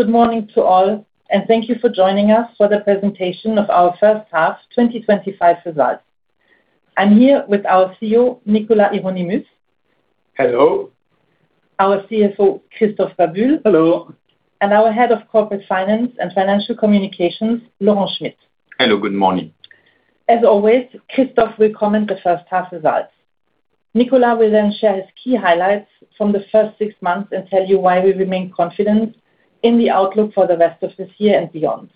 Good morning to all. Thank you for joining us for the presentation of our first half 2025 results. I'm here with our CEO, Nicolas Hieronimus. Hello. Our CFO, Christophe Babule. Hello. Our Head of Corporate Finance and Financial Communications, Laurent Schmitt. Hello. Good morning. As always, Christophe will comment the first half results. Nicolas will then share his key highlights from the first six months and tell you why we remain confident in the outlook for the rest of this year and beyond.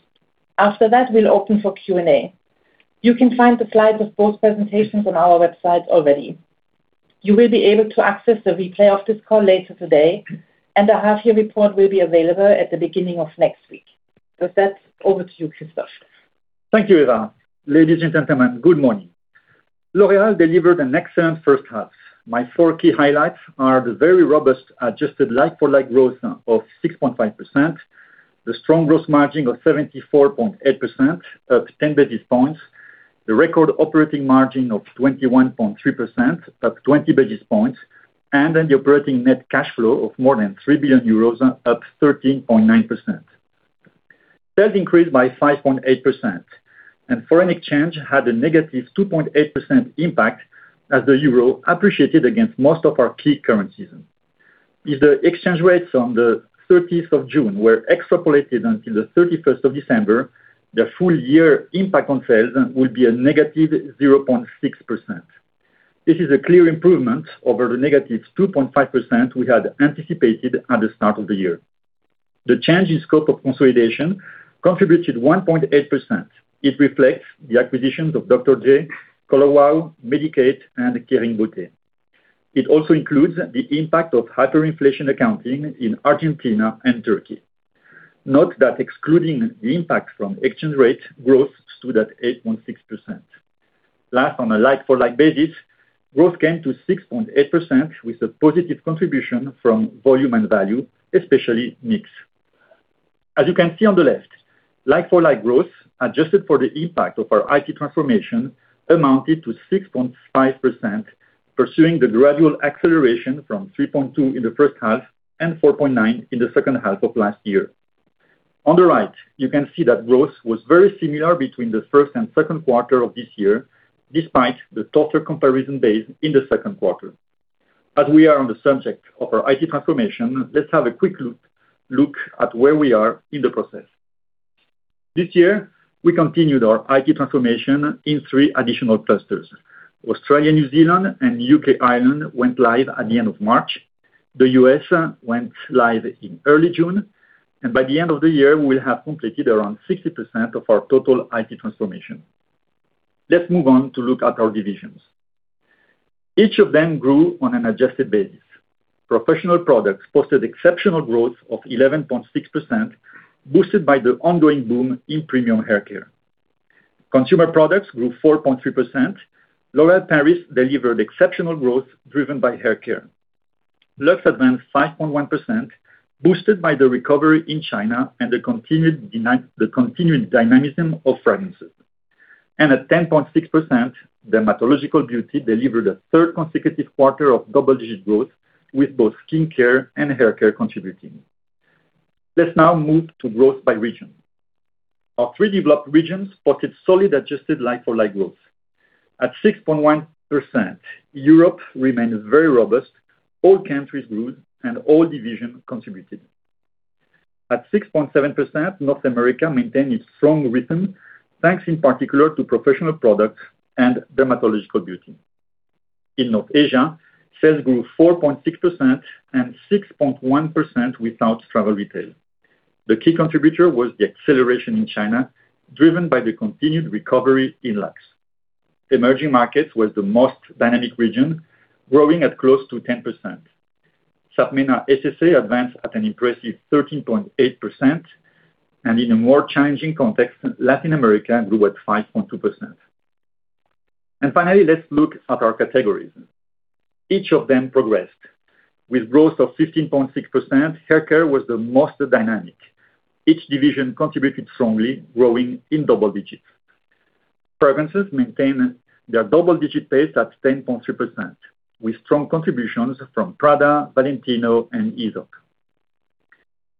After that, we will open for Q&A. You can find the slides of both presentations on our website already. You will be able to access the replay of this call later today, and the half-year report will be available at the beginning of next week. With that, over to you, Christophe. Thank you, Eva. Ladies and gentlemen, good morning. L'Oréal delivered an excellent first half. My four key highlights are the very robust adjusted like-for-like growth of 6.5%, the strong growth margin of 74.8% up 10 basis points, the record operating margin of 21.3% up 20 basis points, and an operating net cash flow of more than 3 billion euros up 13.9%. Sales increased by 5.8%. Foreign exchange had a -2.8% impact as the euro appreciated against most of our key currencies. If the exchange rates on the 30th of June were extrapolated until the 31st of December, the full year impact on sales would be a -0.6%. This is a clear improvement over the -2.5% we had anticipated at the start of the year. The change in scope of consolidation contributed 1.8%. It reflects the acquisitions of Dr.G, Color Wow, Medik8, and Kering Beauté. It also includes the impact of hyperinflation accounting in Argentina and Turkey. Note that excluding the impact from exchange rate growth stood at 8.6%. Last, on a like-for-like basis, growth came to 6.8% with a positive contribution from volume and value, especially mix. As you can see on the left, like-for-like growth, adjusted for the impact of our IT transformation, amounted to 6.5%, pursuing the gradual acceleration from 3.2% in the first half and 4.9% in the second half of last year. On the right, you can see that growth was very similar between the first and second quarter of this year, despite the tougher comparison base in the second quarter. As we are on the subject of our IT transformation, let's have a quick look at where we are in the process. This year, we continued our IT transformation in three additional clusters. Australia, New Zealand, and U.K. and Ireland went live at the end of March. The U.S. went live in early June, and by the end of the year, we will have completed around 60% of our total IT transformation. Let's move on to look at our divisions. Each of them grew on an adjusted basis. Professional products posted exceptional growth of 11.6%, boosted by the ongoing boom in premium haircare. Consumer products grew 4.3%. L'Oréal Paris delivered exceptional growth driven by haircare. Luxe advanced 5.1%, boosted by the recovery in China and the continuing dynamism of fragrances. At 10.6%, Dermatological Beauty delivered a third consecutive quarter of double-digit growth with both skincare and haircare contributing. Let's now move to growth by region. Our three developed regions spotted solid adjusted like-for-like growth. At 6.1%, Europe remains very robust. All countries grew, and all divisions contributed. At 6.7%, North America maintained its strong rhythm, thanks in particular to professional products and dermatological beauty. In North Asia, sales grew 4.6% and 6.1% without travel retail. The key contributor was the acceleration in China, driven by the continued recovery in Luxe. Emerging markets was the most dynamic region, growing at close to 10%. SAPMENA SSA advanced at an impressive 13.8%. In a more challenging context, Latin America grew at 5.2%. Finally, let's look at our categories. Each of them progressed. With growth of 15.6%, haircare was the most dynamic. Each division contributed strongly, growing in double digits. Fragrances maintained their double-digit pace at 10.3%, with strong contributions from Prada, Valentino, and Aesop.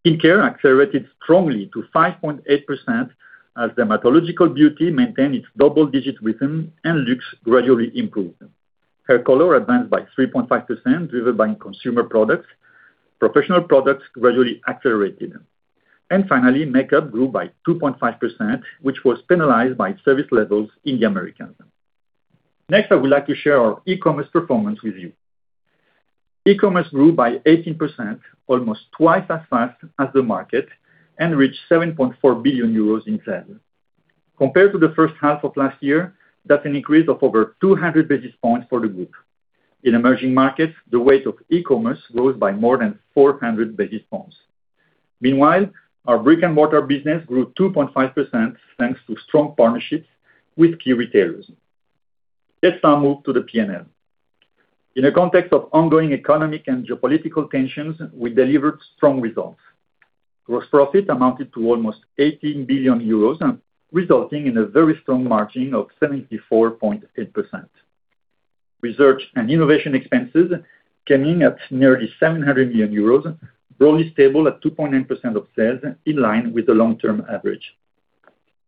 Skincare accelerated strongly to 5.8% as Dermatological Beauty maintained its double-digit rhythm and Luxe gradually improved. Hair color advanced by 3.5%, driven by consumer products. Professional products gradually accelerated. Finally, makeup grew by 2.5%, which was penalized by service levels in the Americas. Next, I would like to share our e-commerce performance with you. E-commerce grew by 18%, almost twice as fast as the market, and reached 7.4 billion euros in sales. Compared to the first half of last year, that's an increase of over 200 basis points for the group. In emerging markets, the weight of e-commerce rose by more than 400 basis points. Meanwhile, our brick-and-mortar business grew 2.5% thanks to strong partnerships with key retailers. Let's now move to the P&L. In a context of ongoing economic and geopolitical tensions, we delivered strong results. Gross profit amounted to almost 18 billion euros, resulting in a very strong margin of 74.8%. Research and innovation expenses came in at nearly 700 million euros, broadly stable at 2.9% of sales, in line with the long-term average.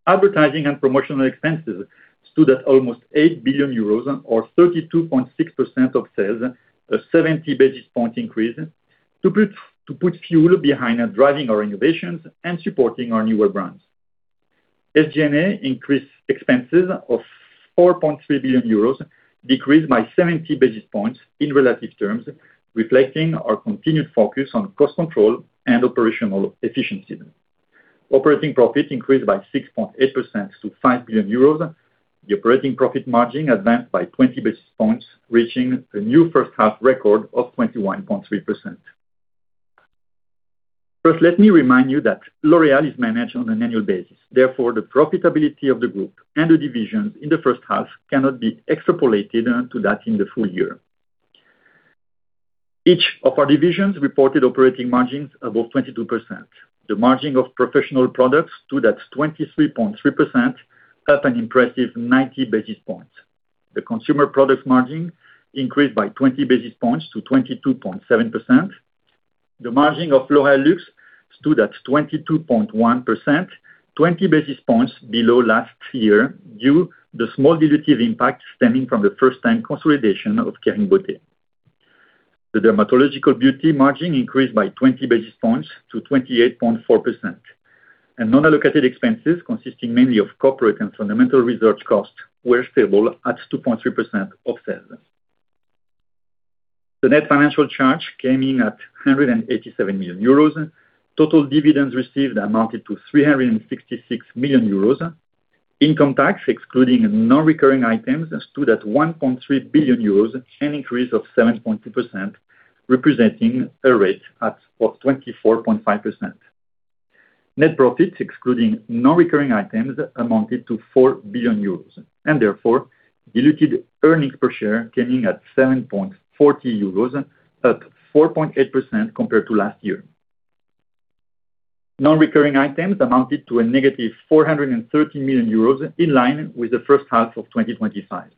Advertising and promotional expenses stood at almost 8 billion euros or 32.6% of sales, a 70 basis point increase, to put fuel behind driving our innovations and supporting our newer brands. SG&A increased expenses of 4.3 billion euros, decreased by 70 basis points in relative terms, reflecting our continued focus on cost control and operational efficiency. Operating profit increased by 6.8% to 5 billion euros. The operating profit margin advanced by 20 basis points, reaching a new first-half record of 21.3%. First, let me remind you that L'Oréal is managed on an annual basis. Therefore, the profitability of the group and the divisions in the first half cannot be extrapolated to that in the full year. Each of our divisions reported operating margins above 22%. The margin of professional products stood at 23.3%, up an impressive 90 basis points. The consumer product margin increased by 20 basis points to 22.7%. The margin of L'Oréal Luxe stood at 22.1%, 20 basis points below last year due to the small dilutive impact stemming from the first-time consolidation of Kering Beauté. The Dermatological Beauty margin increased by 20 basis points to 28.4%. Non-allocated expenses, consisting mainly of corporate and fundamental research costs, were stable at 2.3% of sales. The net financial charge came in at 187 million euros. Total dividends received amounted to 366 million euros. Income tax, excluding non-recurring items, stood at 1.3 billion euros, an increase of 7.2%, representing a rate of 24.5%. Net profits, excluding non-recurring items, amounted to 4 billion euros, and therefore diluted earnings per share came in at 7.40 euros, up 4.8% compared to last year. Non-recurring items amounted to a negative 430 million euros, in line with the first half of 2025.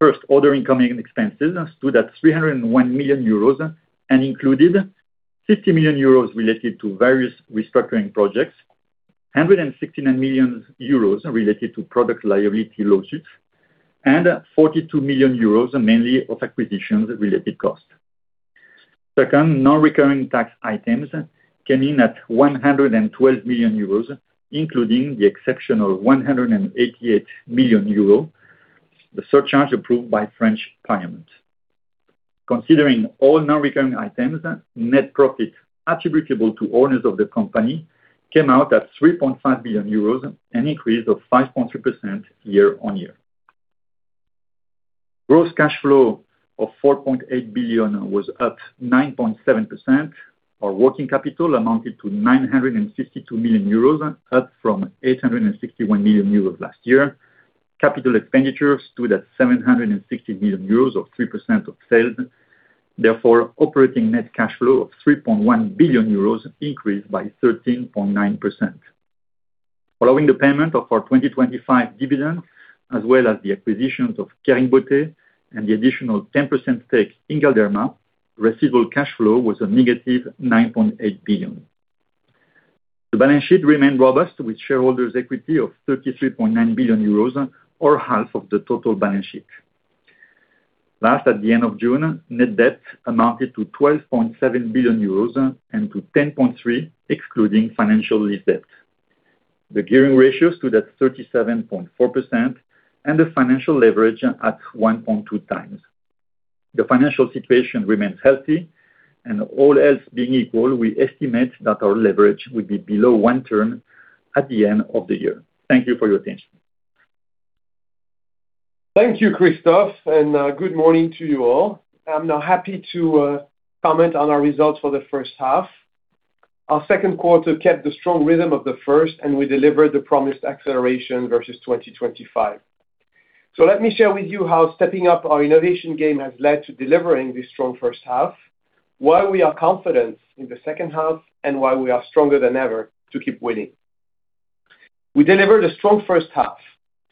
First, other incoming expenses stood at 301 million euros and included 50 million euros related to various restructuring projects, 169 million euros related to product liability lawsuits, and 42 million euros mainly of acquisitions-related costs. Second, non-recurring tax items came in at 112 million euros, including the exceptional 188 million euro, the surcharge approved by French parliament. Considering all non-recurring items, net profit attributable to owners of the company came out at 3.5 billion euros, an increase of 5.3% year-on-year. Gross cash flow of 4.8 billion was up 9.7%. Our working capital amounted to 962 million euros, up from 861 million euros last year. Capital expenditure stood at 760 million euros or 3% of sales. Therefore, operating net cash flow of 3.1 billion euros increased by 13.9%. Following the payment of our 2025 dividends, as well as the acquisitions of Kering Beauté and the additional 10% stake in Galderma, receivable cash flow was a negative 9.8 billion. The balance sheet remained robust with shareholders' equity of 33.9 billion euros or half of the total balance sheet. Last, at the end of June, net debt amounted to 12.7 billion euros and to 10.3 billion excluding financial lease debt. The gearing ratio stood at 37.4% and the financial leverage at 1.2x. The financial situation remains healthy, and all else being equal, we estimate that our leverage will be below one time at the end of the year. Thank you for your attention. Thank you, Christophe. Good morning to you all. I'm now happy to comment on our results for the first half. Our second quarter kept the strong rhythm of the first, we delivered the promised acceleration versus 2025. Let me share with you how stepping up our innovation game has led to delivering this strong first half, why we are confident in the second half, and why we are stronger than ever to keep winning. We delivered a strong first half.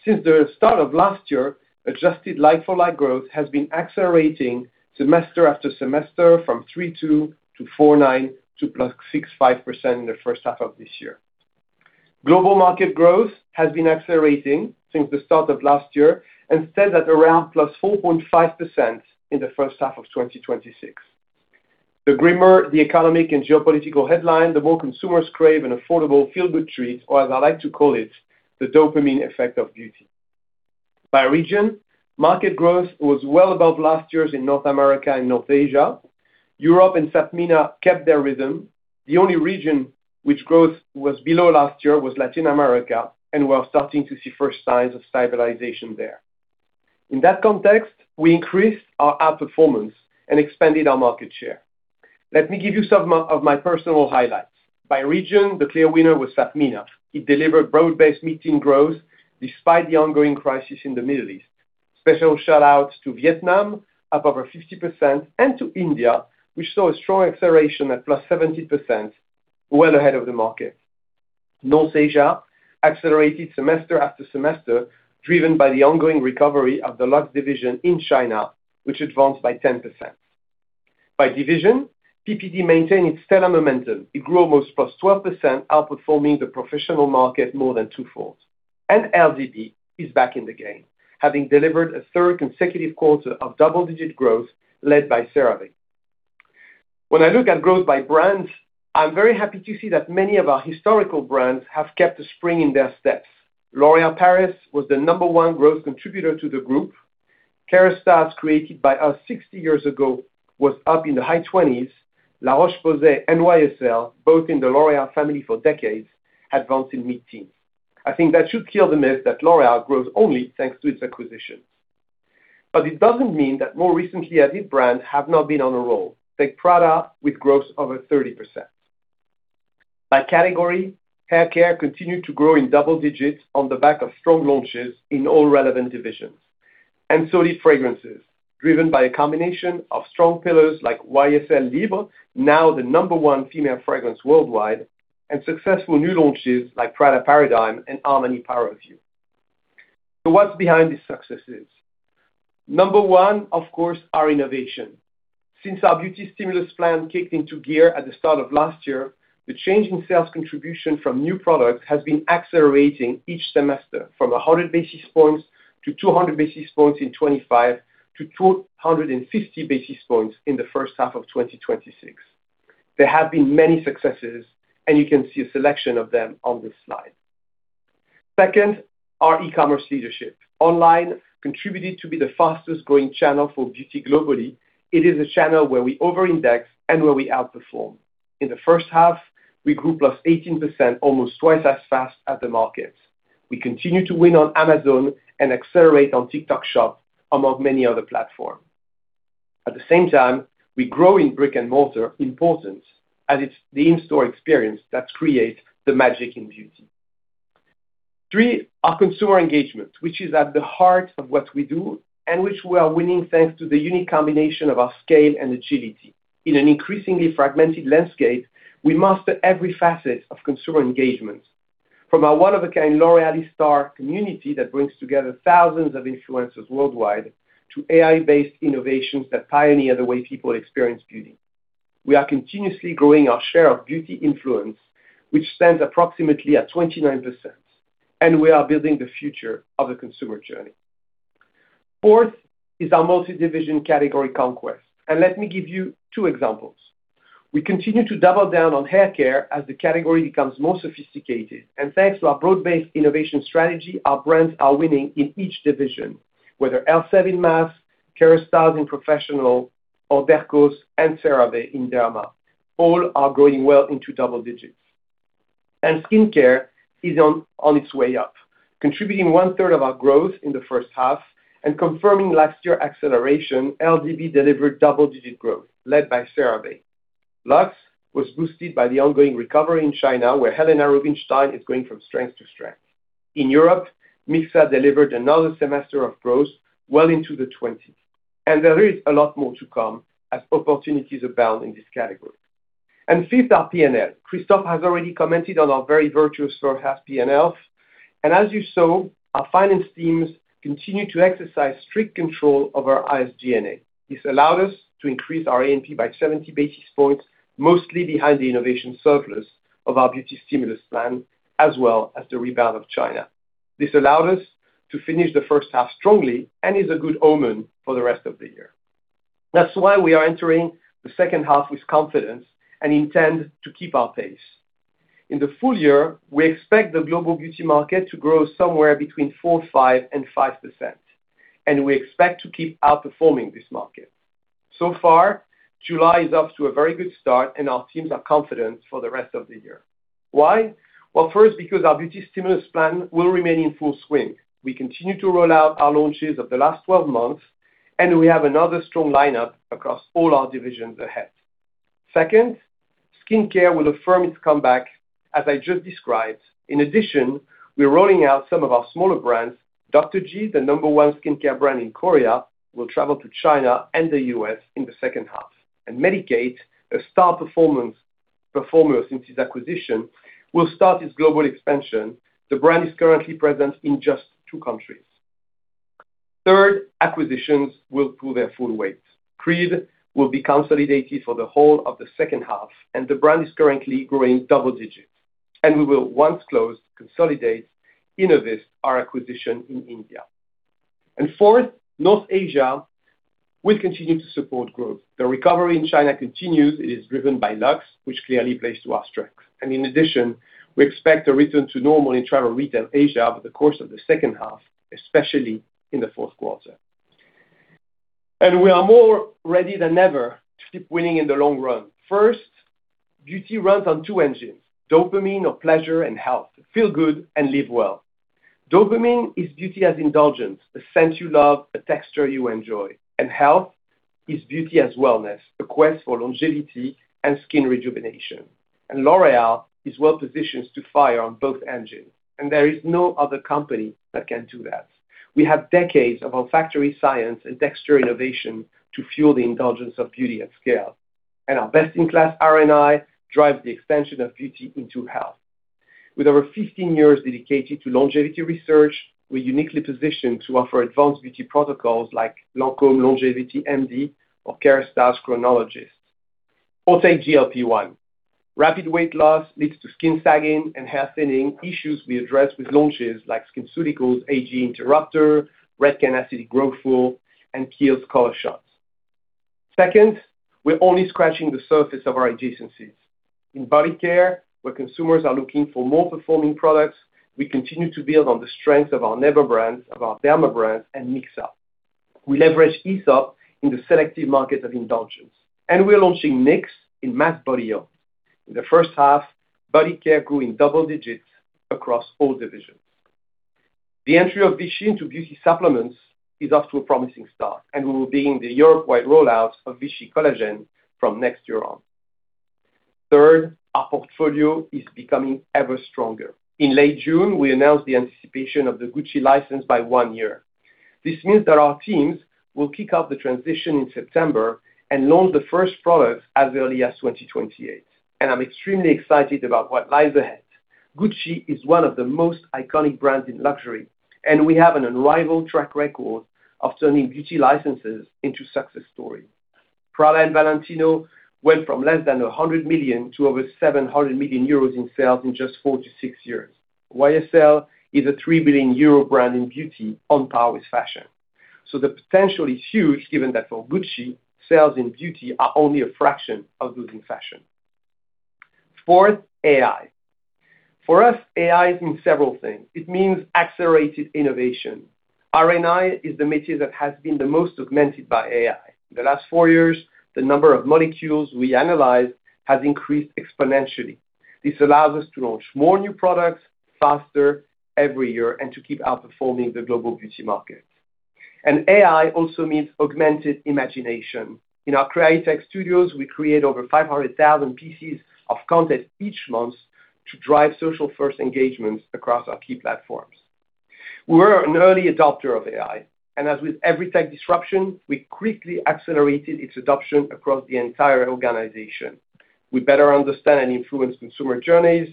Since the start of last year, adjusted like-for-like growth has been accelerating semester after semester from 3.2 to 4.9 to +6.5% in the first half of this year. Global market growth has been accelerating since the start of last year and stands at around +4.5% in the first half of 2026. The grimmer the economic and geopolitical headline, the more consumers crave an affordable feel-good treat, or as I like to call it, the dopamine effect of beauty. By region, market growth was well above last year's in North America and North Asia. Europe and SAPMENA kept their rhythm. The only region which growth was below last year was Latin America, we are starting to see first signs of stabilization there. In that context, we increased our outperformance and expanded our market share. Let me give you some of my personal highlights. By region, the clear winner was SAPMENA. It delivered broad-based meeting growth despite the ongoing crisis in the Middle East. Special shout-outs to Vietnam, up over 50%, and to India, which saw a strong acceleration at +70%, well ahead of the market. North Asia accelerated semester after semester, driven by the ongoing recovery of the Luxe division in China, which advanced by +10%. By division, PPD maintained its stellar momentum. It grew almost +12%, outperforming the professional market more than two-fold. LDB is back in the game, having delivered a third consecutive quarter of double-digit growth led by CeraVe. When I look at growth by brands, I am very happy to see that many of our historical brands have kept a spring in their steps. L'Oréal Paris was the number one growth contributor to the group. Kérastase, created by us 60 years ago, was up in the high 20s. La Roche-Posay and YSL, both in the L'Oréal family for decades, advanced in mid-teens. I think that should kill the myth that L'Oréal grows only thanks to its acquisitions. It doesn't mean that more recently added brands have not been on a roll. Take Prada with growth over 30%. By category, haircare continued to grow in double digits on the back of strong launches in all relevant divisions. So did fragrances, driven by a combination of strong pillars like YSL Libre, now the number one female fragrance worldwide, and successful new launches like Prada Paradoxe and Armani Power of You. What's behind these successes? Number one, of course, our innovation. Since our Beauty Stimulus Plan kicked into gear at the start of last year, the change in sales contribution from new products has been accelerating each semester, from 100 basis points to 200 basis points in 2025, to 250 basis points in the first half of 2026. There have been many successes, and you can see a selection of them on this slide. Second, our e-commerce leadership. Online contributed to be the fastest-growing channel for beauty globally. It is a channel where we over-index and where we outperform. In the first half, we grew +18%, almost twice as fast as the market. We continue to win on Amazon and accelerate on TikTok Shop, among many other platforms. At the same time, we grow in brick-and-mortar importance as it's the in-store experience that creates the magic in beauty. Three, our consumer engagement, which is at the heart of what we do, and which we are winning thanks to the unique combination of our scale and agility. In an increasingly fragmented landscape, we master every facet of consumer engagement. From our one-of-a-kind L'Oréalistar community that brings together thousands of influencers worldwide, to AI-based innovations that pioneer the way people experience beauty. We are continuously growing our share of beauty influence, which stands approximately at 29%, and we are building the future of the consumer journey. Fourth is our multi-division category conquest, and let me give you two examples. We continue to double down on haircare as the category becomes more sophisticated. Thanks to our broad-based innovation strategy, our brands are winning in each division, whether Elseve in mass, Kérastase in professional, or Dercos and CeraVe in derma. All are growing well into double digits. Skincare is on its way up, contributing one-third of our growth in the first half and confirming last year's acceleration, LDB delivered double-digit growth led by CeraVe. Luxe was boosted by the ongoing recovery in China, where Helena Rubinstein is going from strength to strength. In Europe, Mixa delivered another semester of growth well into the 20s, and there is a lot more to come as opportunities abound in this category. Fifth, our P&L. Christophe has already commented on our very virtuous first half P&L. As you saw, our finance teams continue to exercise strict control over our SG&A. This allowed us to increase our EBITDA by 70 basis points, mostly behind the innovation surplus of our Beauty Stimulus Plan, as well as the rebound of China. This allowed us to finish the first half strongly and is a good omen for the rest of the year. That's why we are entering the second half with confidence and intend to keep our pace. In the full year, we expect the global beauty market to grow somewhere between 4.5% and 5%, and we expect to keep outperforming this market. So far, July is off to a very good start, and our teams are confident for the rest of the year. Why? Well, first, because our Beauty Stimulus Plan will remain in full swing. We continue to roll out our launches of the last 12 months, and we have another strong lineup across all our divisions ahead. Second, skincare will affirm its comeback, as I just described. In addition, we're rolling out some of our smaller brands. Dr.G, the number one skincare brand in Korea, will travel to China and the U.S. in the second half. Medik8, a star performer since its acquisition, will start its global expansion. The brand is currently present in just two countries. Third, acquisitions will pull their full weight. Creed will be consolidated for the whole of the second half, and the brand is currently growing double digits. We will, once closed, consolidate Innovist, our acquisition in India. Fourth, North Asia will continue to support growth. The recovery in China continues. It is driven by Luxe, which clearly plays to our strength. In addition, we expect a return to normal in travel retail Asia over the course of the second half, especially in the fourth quarter. We are more ready than ever to keep winning in the long run. First, beauty runs on two engines, dopamine or pleasure, and health. Feel good and live well. Dopamine is beauty as indulgence, a scent you love, a texture you enjoy. Health is beauty as wellness, a quest for longevity and skin rejuvenation. L'Oréal is well-positioned to fire on both engines, and there is no other company that can do that. We have decades of olfactory science and texture innovation to fuel the indulgence of beauty at scale. Our best-in-class R&I drives the expansion of beauty into health. With over 15 years dedicated to longevity research, we're uniquely positioned to offer advanced beauty protocols like Absolue Longevity MD or Kérastase Chronologiste. Take GLP-1. Rapid weight loss leads to skin sagging and hair thinning, issues we address with launches like SkinCeuticals A.G.E. Interrupter, Redken Acidic Color Gloss, and Kiehl's CollaShot. Second, we're only scratching the surface of our adjacencies. In body care, where consumers are looking for more performing products, we continue to build on the strength of our Derma brands, and Mixa. We leverage Aesop in the selective market of indulgence. We're launching NYX in mass body oil. In the first half, body care grew in double digits across all divisions. The entry of Vichy into beauty supplements is off to a promising start, and we will begin the Europe-wide rollout of Vichy Collagen from next year on. Third, our portfolio is becoming ever stronger. In late June, we announced the anticipation of the Gucci license by one year. This means that our teams will kick off the transition in September and launch the first products as early as 2028. I'm extremely excited about what lies ahead. Gucci is one of the most iconic brands in luxury, and we have an unrivaled track record of turning beauty licenses into success stories. Prada and Valentino went from less than 100 million to over 700 million euros in sales in just four to six years. YSL is a 3 billion euro brand in beauty on par with fashion. The potential is huge given that for Gucci, sales in beauty are only a fraction of those in fashion. Fourth, AI. For us, AI means several things. It means accelerated innovation. R&I is the métier that has been the most augmented by AI. The last four years, the number of molecules we analyzed has increased exponentially. This allows us to launch more new products faster every year and to keep outperforming the global beauty market. AI also means augmented imagination. In our CREAITECH, we create over 500,000 pieces of content each month to drive social-first engagements across our key platforms. We were an early adopter of AI, and as with every tech disruption, we quickly accelerated its adoption across the entire organization. We better understand and influence consumer journeys,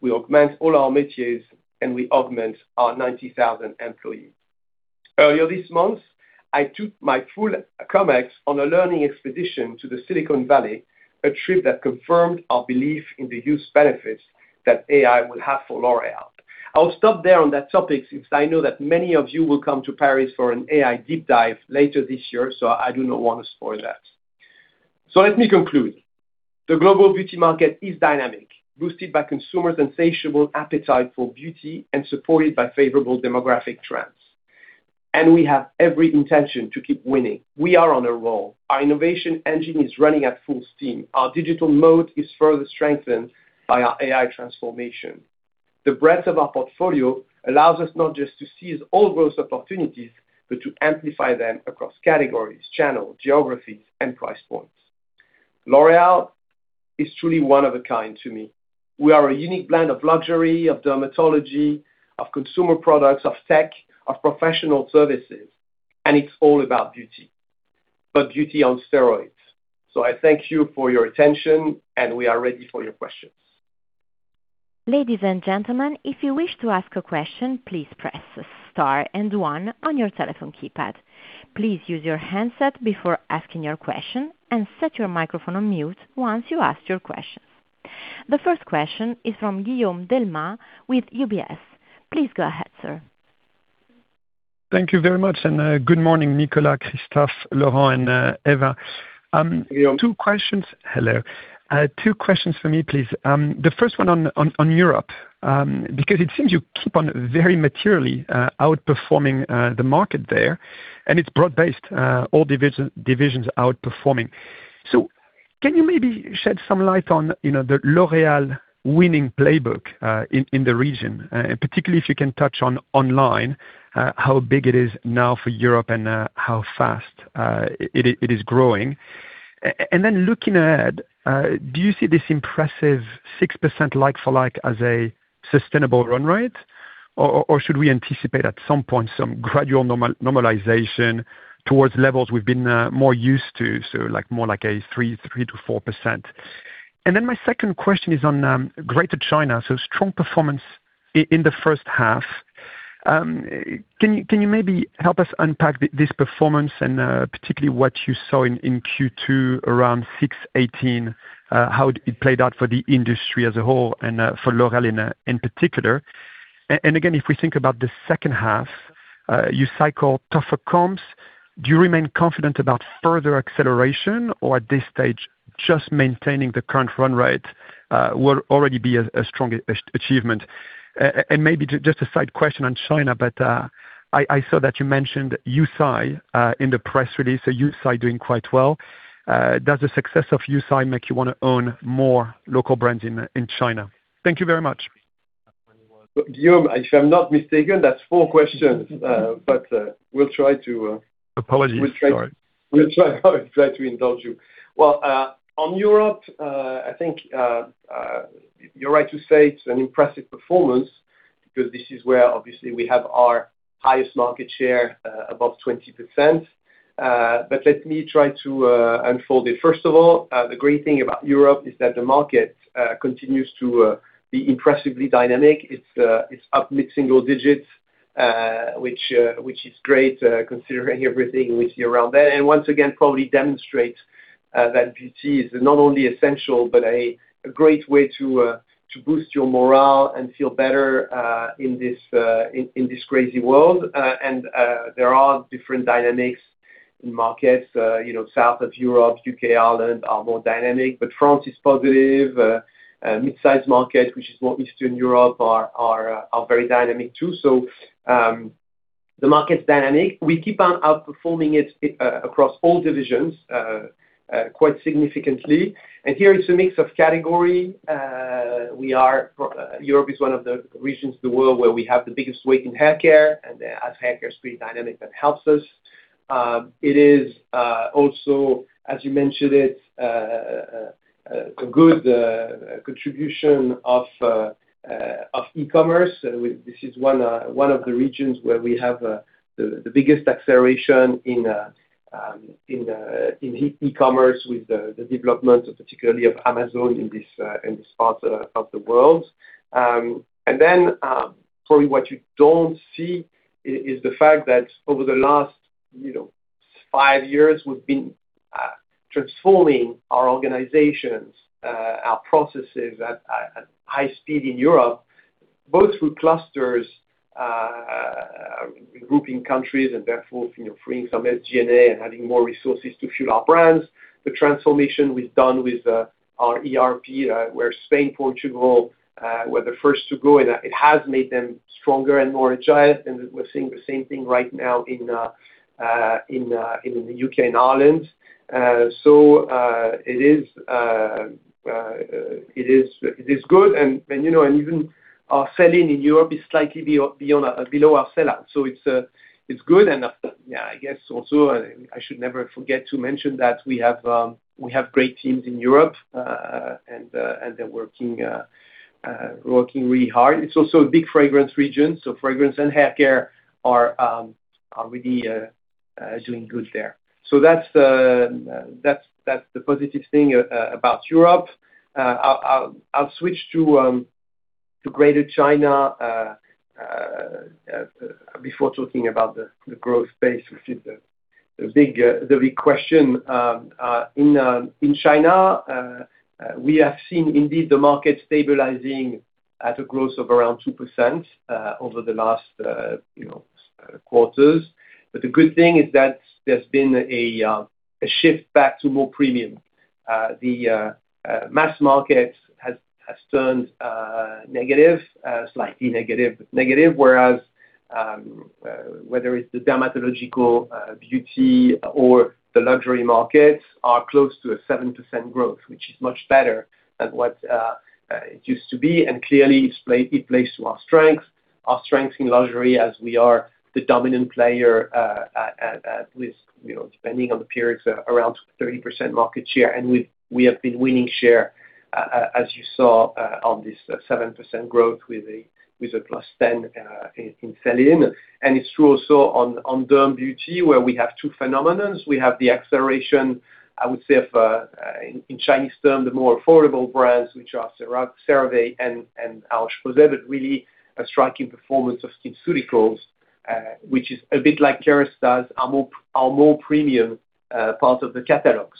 we augment all our métiers, and we augment our 90,000 employees. Earlier this month, I took my full COMEX on a learning expedition to Silicon Valley, a trip that confirmed our belief in the huge benefits that AI will have for L'Oréal. I will stop there on that topic since I know that many of you will come to Paris for an AI deep dive later this year, so I do not want to spoil that. Let me conclude. The global beauty market is dynamic, boosted by consumers' insatiable appetite for beauty and supported by favorable demographic trends. We have every intention to keep winning. We are on a roll. Our innovation engine is running at full steam. Our digital mode is further strengthened by our AI transformation. The breadth of our portfolio allows us not just to seize all those opportunities, but to amplify them across categories, channels, geographies, and price points. L'Oréal is truly one of a kind to me. We are a unique blend of luxury, of dermatology, of Consumer Products, of tech, of professional services, and it's all about beauty, but beauty on steroids. I thank you for your attention, and we are ready for your questions. Ladies and gentlemen, if you wish to ask a question, please press star and one on your telephone keypad. Please use your handset before asking your question and set your microphone on mute once you've asked your question. The first question is from Guillaume Delmas with UBS. Please go ahead, sir. Thank you very much. Good morning, Nicolas, Christophe, Laurent, and Eva. Hello. Hello. Two questions for me, please. The first one on Europe, because it seems you keep on very materially outperforming the market there, it's broad-based, all divisions outperforming. Can you maybe shed some light on the L'Oréal winning playbook in the region? Particularly if you can touch on online, how big it is now for Europe and how fast it is growing. Looking ahead, do you see this impressive 6% like-for-like as a sustainable run rate? Should we anticipate at some point some gradual normalization towards levels we've been more used to, so more like a 3%-4%? My second question is on Greater China. Strong performance in the first half. Can you maybe help us unpack this performance and particularly what you saw in Q2 around 618, how it played out for the industry as a whole and for L'Oréal in particular? Again, if we think about the second half, you cycle tougher comps. Do you remain confident about further acceleration? At this stage, just maintaining the current run rate will already be a strong achievement. Maybe just a side question on China, I saw that you mentioned Yue Sai in the press release, Yue Sai doing quite well. Does the success of Yue Sai make you want to own more local brands in China? Thank you very much. Guillaume, if I'm not mistaken, that's four questions, we'll try to- Apologies. Sorry. We'll try to indulge you. On Europe, I think you're right to say it's an impressive performance. This is where, obviously, we have our highest market share, above 20%. Let me try to unfold it. First of all, the great thing about Europe is that the market continues to be impressively dynamic. It's up mid-single digits, which is great considering everything we see around there, and once again, probably demonstrates that beauty is not only essential, but a great way to boost your morale and feel better in this crazy world. There are different dynamics in markets. South of Europe, U.K., Ireland are more dynamic, but France is positive. Mid-size market, which is more Eastern Europe, are very dynamic too. The market's dynamic. We keep on outperforming it across all divisions quite significantly. Here it's a mix of category. Europe is one of the regions of the world where we have the biggest weight in haircare, and as haircare is pretty dynamic, that helps us. It is also, as you mentioned it, a good contribution of e-commerce. This is one of the regions where we have the biggest acceleration in e-commerce with the development particularly of Amazon in this part of the world. Then probably what you don't see is the fact that over the last five years we've been transforming our organizations, our processes at high speed in Europe, both through clusters, grouping countries, and therefore freeing some SG&A and adding more resources to fuel our brands. The transformation we've done with our ERP, where Spain, Portugal, were the first to go, and it has made them stronger and more agile. We're seeing the same thing right now in the U.K. and Ireland. It is good, even our sell-in in Europe is slightly below our sell-out. It's good, I guess also, I should never forget to mention that we have great teams in Europe, they're working really hard. It's also a big fragrance region, fragrance and haircare are really doing good there. That's the positive thing about Europe. I'll switch to Greater China before talking about the growth pace, which is the big question. In China, we have seen indeed the market stabilizing at a growth of around 2% over the last quarters. The good thing is that there's been a shift back to more premium. The mass market has turned negative, slightly negative. Whereas, whether it's the L'Oréal Dermatological Beauty or the L'Oréal Luxe markets are close to a 7% growth, which is much better than what it used to be. Clearly, it plays to our strengths. Our strengths in L'Oréal Luxe as we are the dominant player, at least depending on the periods, around 30% market share. We have been winning share, as you saw on this 7% growth with a +10 in sell-in. It's true also on L'Oréal Dermatological Beauty, where we have two phenomena. We have the acceleration, I would say if in Chinese term, the more affordable brands, which are CeraVe and La Roche-Posay, but really a striking performance of SkinCeuticals, which is a bit like Kérastase, our more premium part of the catalog.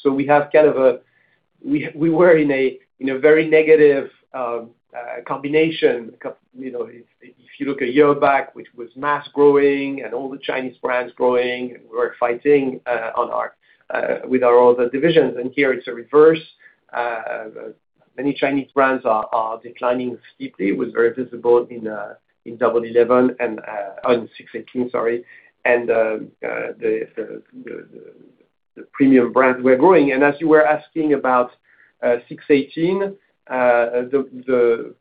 We were in a very negative combination. If you look a year back, which was mass growing and all the Chinese brands growing, we were fighting with our other divisions, here it's a reverse. Many Chinese brands are declining steeply. It was very visible in Double 11 on 618, sorry, the premium brands were growing. As you were asking about 618, the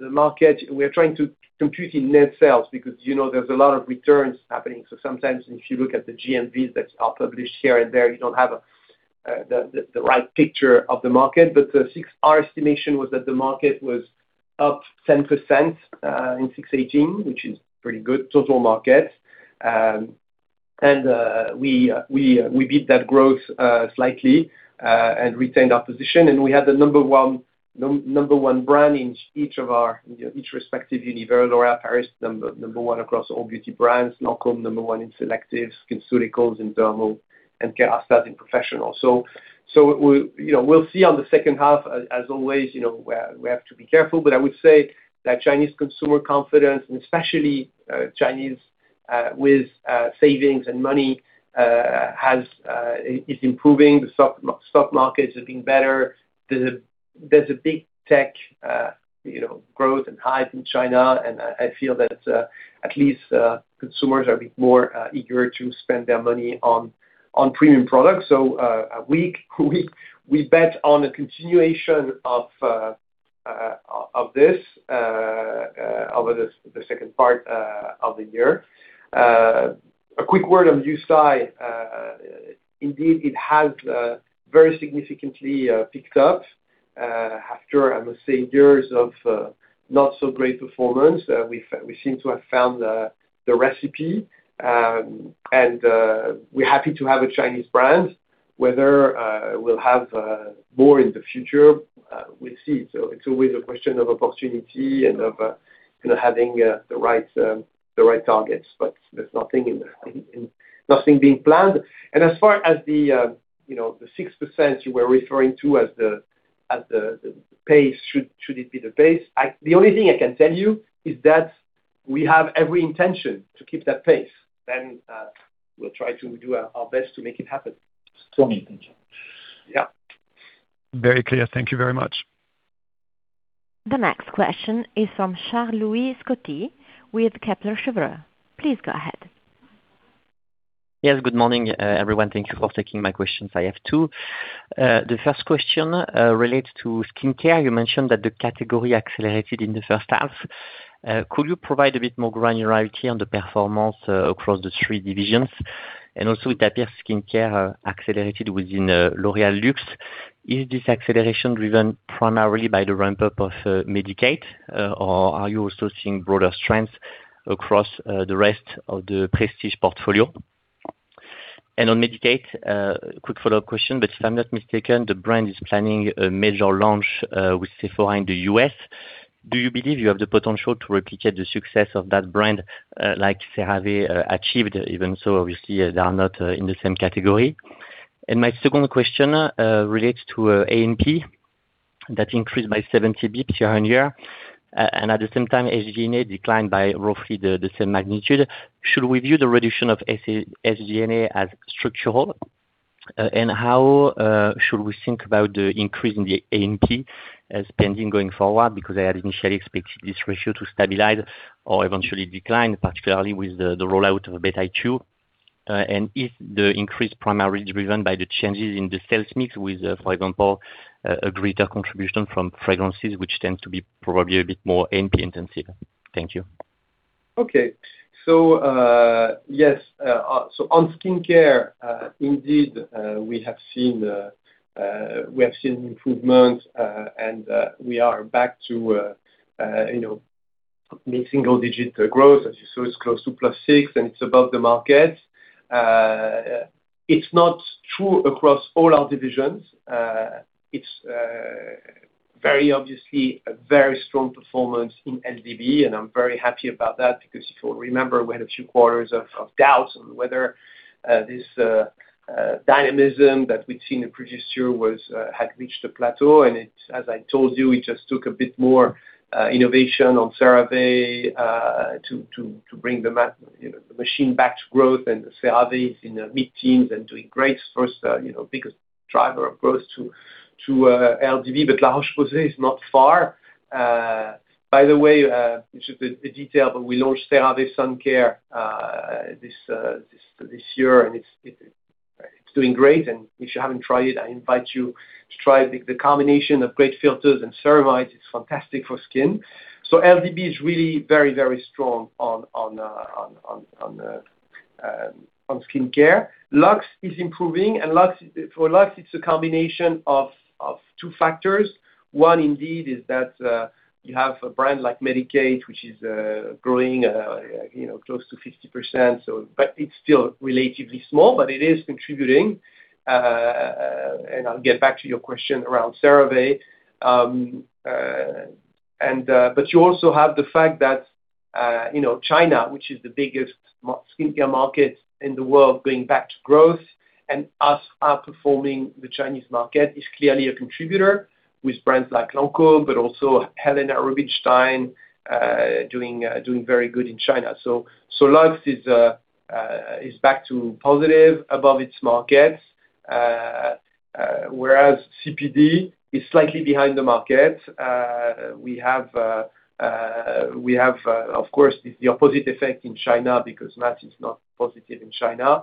market we're trying to compute in net sales because there's a lot of returns happening. Sometimes if you look at the GMVs that are published here and there, you don't have the right picture of the market. Our estimation was that the market was up 10% in 618, which is pretty good total market. We beat that growth slightly, retained our position. We had the number one brand in each respective universe. L'Oréal Paris, number one across all beauty brands. Lancôme, number one in selectives. SkinCeuticals in dermal. Kérastase in Professional Products Division. We'll see on the second half, as always, where we have to be careful. I would say that Chinese consumer confidence, especially Chinese with savings and money is improving. The stock markets have been better. There's a big tech growth and hype in China, I feel that at least consumers are a bit more eager to spend their money on premium products. We bet on a continuation of this over the second part of the year. A quick word on Yue Sai. Indeed, it has very significantly picked up. After, I must say, years of not-so-great performance, we seem to have found the recipe, we're happy to have a Chinese brand. Whether we'll have more in the future, we'll see. It's always a question of opportunity and of having the right targets. There's nothing being planned. As far as the 6% you were referring to as the pace, should it be the pace? The only thing I can tell you is that we have every intention to keep that pace, then we'll try to do our best to make it happen. Strong intention. Yeah. Very clear. Thank you very much. The next question is from Charles-Louis Scotti with Kepler Cheuvreux. Please go ahead. Yes, good morning, everyone. Thank you for taking my questions. I have two. The first question relates to skincare. You mentioned that the category accelerated in the first half. Could you provide a bit more granularity on the performance across the three divisions? With Medik8 accelerated within L'Oréal Luxe, is this acceleration driven primarily by the ramp-up of Medik8? Or are you also seeing broader strengths across the rest of the prestige portfolio? On Medik8, a quick follow-up question, but if I'm not mistaken, the brand is planning a major launch with Sephora in the U.S. Do you believe you have the potential to replicate the success of that brand like CeraVe achieved? Even so, obviously, they are not in the same category. My second question relates to A&P that increased by 70 basis points year-over-year. At the same time, SG&A declined by roughly the same magnitude. Should we view the reduction of SG&A as structural? How should we think about the increase in the A&P spending going forward? Because I had initially expected this ratio to stabilize or eventually decline, particularly with the rollout of Beta 2. Is the increase primarily driven by the changes in the sales mix with, for example, a greater contribution from fragrances, which tend to be probably a bit more A&P intensive? Thank you. Yes. On skincare, indeed, we have seen improvements, and we are back to mid-single-digit growth. As you saw, it's close to +6%, and it's above the market. It's not true across all our divisions. It's very obviously a very strong performance in LDB, and I'm very happy about that because if you'll remember, we had a few quarters of doubt on whether this dynamism that we'd seen the previous year had reached a plateau. As I told you, it just took a bit more innovation on CeraVe to bring the machine back to growth. CeraVe is in the mid-teens% and doing great. First biggest driver of growth to LDB, La Roche-Posay is not far. By the way, it's just a detail, we launched CeraVe Sun Care this year, and it's doing great. If you haven't tried it, I invite you to try the combination of great filters and ceramides. It's fantastic for skin. LDB is really very strong on skincare. Luxe is improving. For Luxe, it's a combination of two factors. One, indeed, is that you have a brand like Medik8, which is growing close to 50%. It's still relatively small, it is contributing. I'll get back to your question around CeraVe. You also have the fact that China, which is the biggest skincare market in the world, going back to growth, and us outperforming the Chinese market is clearly a contributor with brands like Lancôme, also Helena Rubinstein doing very good in China. Luxe is back to positive above its markets, whereas CPD is slightly behind the market. We have, of course, the opposite effect in China because market is not positive in China.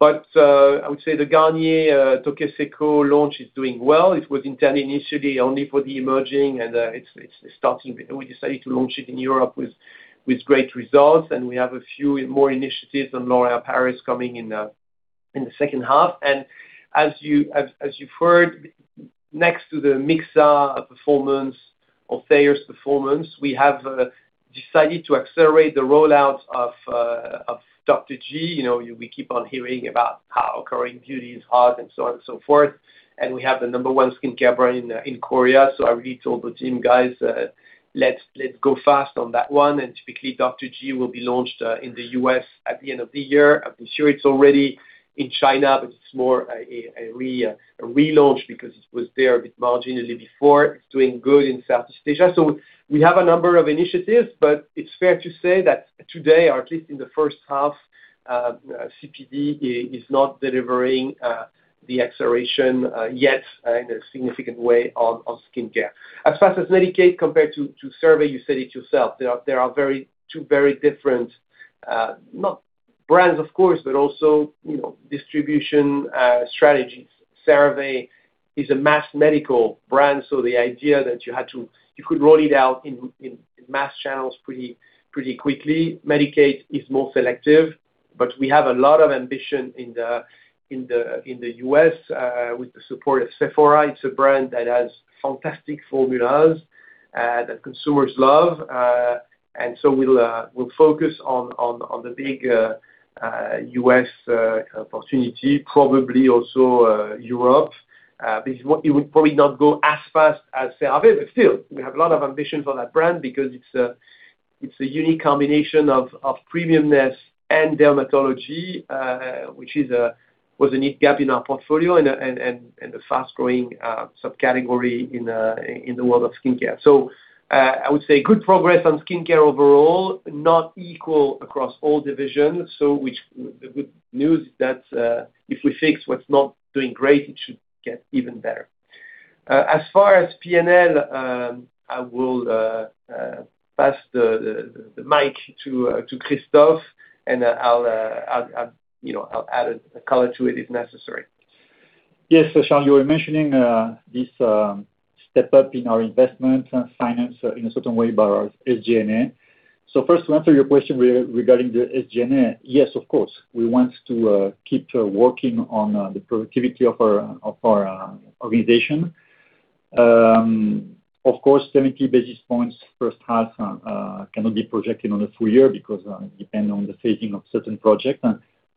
I would say the Garnier Vitamin Cg launch is doing well. It was intended initially only for the emerging, and we decided to launch it in Europe with great results. We have a few more initiatives on L'Oréal Paris coming in the second half. As you've heard, next to the Mixa performance or Thayers performance, we have decided to accelerate the rollout of Dr.G. We keep on hearing about how Korean beauty is hot and so on and so forth. We have the number 1 skincare brand in Korea. I really told the team, "Guys, let's go fast on that one." Typically, Dr.G will be launched in the U.S. at the end of the year. I'm sure it's already in China, but it's more a relaunch because it was there a bit marginally before. It's doing good in South Asia. We have a number of initiatives, but it's fair to say that today, or at least in the first half, CPD is not delivering the acceleration yet in a significant way on skincare. As far as Medik8 compared to CeraVe, you said it yourself. They are two very different not brands, of course, but also distribution strategies. CeraVe is a mass medical brand, so the idea that you could roll it out in mass channels pretty quickly. Medik8 is more selective. We have a lot of ambition in the U.S. with the support of Sephora. It's a brand that has fantastic formulas that consumers love. We'll focus on the big U.S. opportunity, probably also Europe. It would probably not go as fast as CeraVe, but still, we have a lot of ambition for that brand because it's a unique combination of premiumness and dermatology, which was a unique gap in our portfolio and a fast-growing subcategory in the world of skincare. I would say good progress on skincare overall, not equal across all divisions. The good news is that if we fix what's not doing great, it should get even better. As far as P&L, I will pass the mic to Christophe, and I'll add color to it if necessary. Yes. Charles, you were mentioning this step-up in our investment finance in a certain way by our SG&A. First, to answer your question regarding the SG&A, yes, of course, we want to keep working on the productivity of our organization. Of course, 70 basis points first half cannot be projected on a full year because it depends on the phasing of certain projects.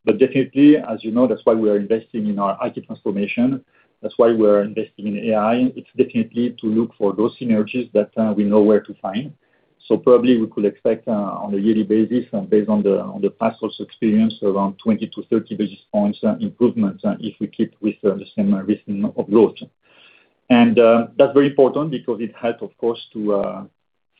Definitely, as you know, that's why we are investing in our IT transformation. That's why we're investing in AI. It's definitely to look for those synergies that we know where to find. Probably we could expect on a yearly basis and based on the past experience, around 20 to 30 basis points improvement if we keep with the same rhythm of growth. That's very important because it helps, of course, to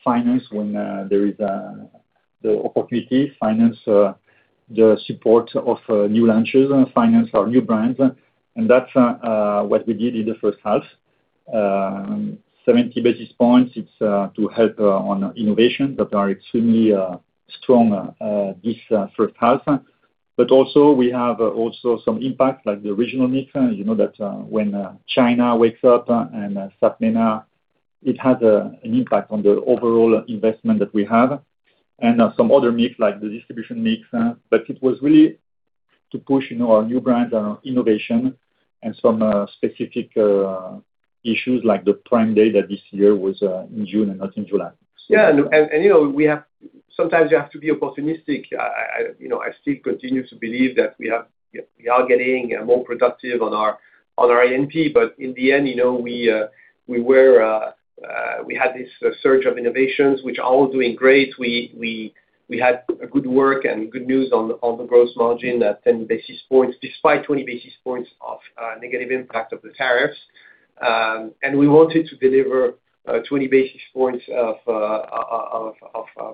finance when there is the opportunity, finance the support of new launches, finance our new brands. That's what we did in the first half. 70 basis points, it's to help on innovation that are extremely strong this first half. Also, we have some impact like the regional mix. You know that when China wakes up and SAPMENA, it has an impact on the overall investment that we have. Some other mix, like the distribution mix. It was really to push our new brand innovation and some specific issues like the Prime Day that this year was in June and not in July. Yeah. Sometimes you have to be opportunistic. I still continue to believe that we are getting more productive on our A&P. In the end, we had this surge of innovations which are all doing great. We had good work and good news on the gross margin at 10 basis points, despite 20 basis points of negative impact of the tariffs. We wanted to deliver 20 basis points of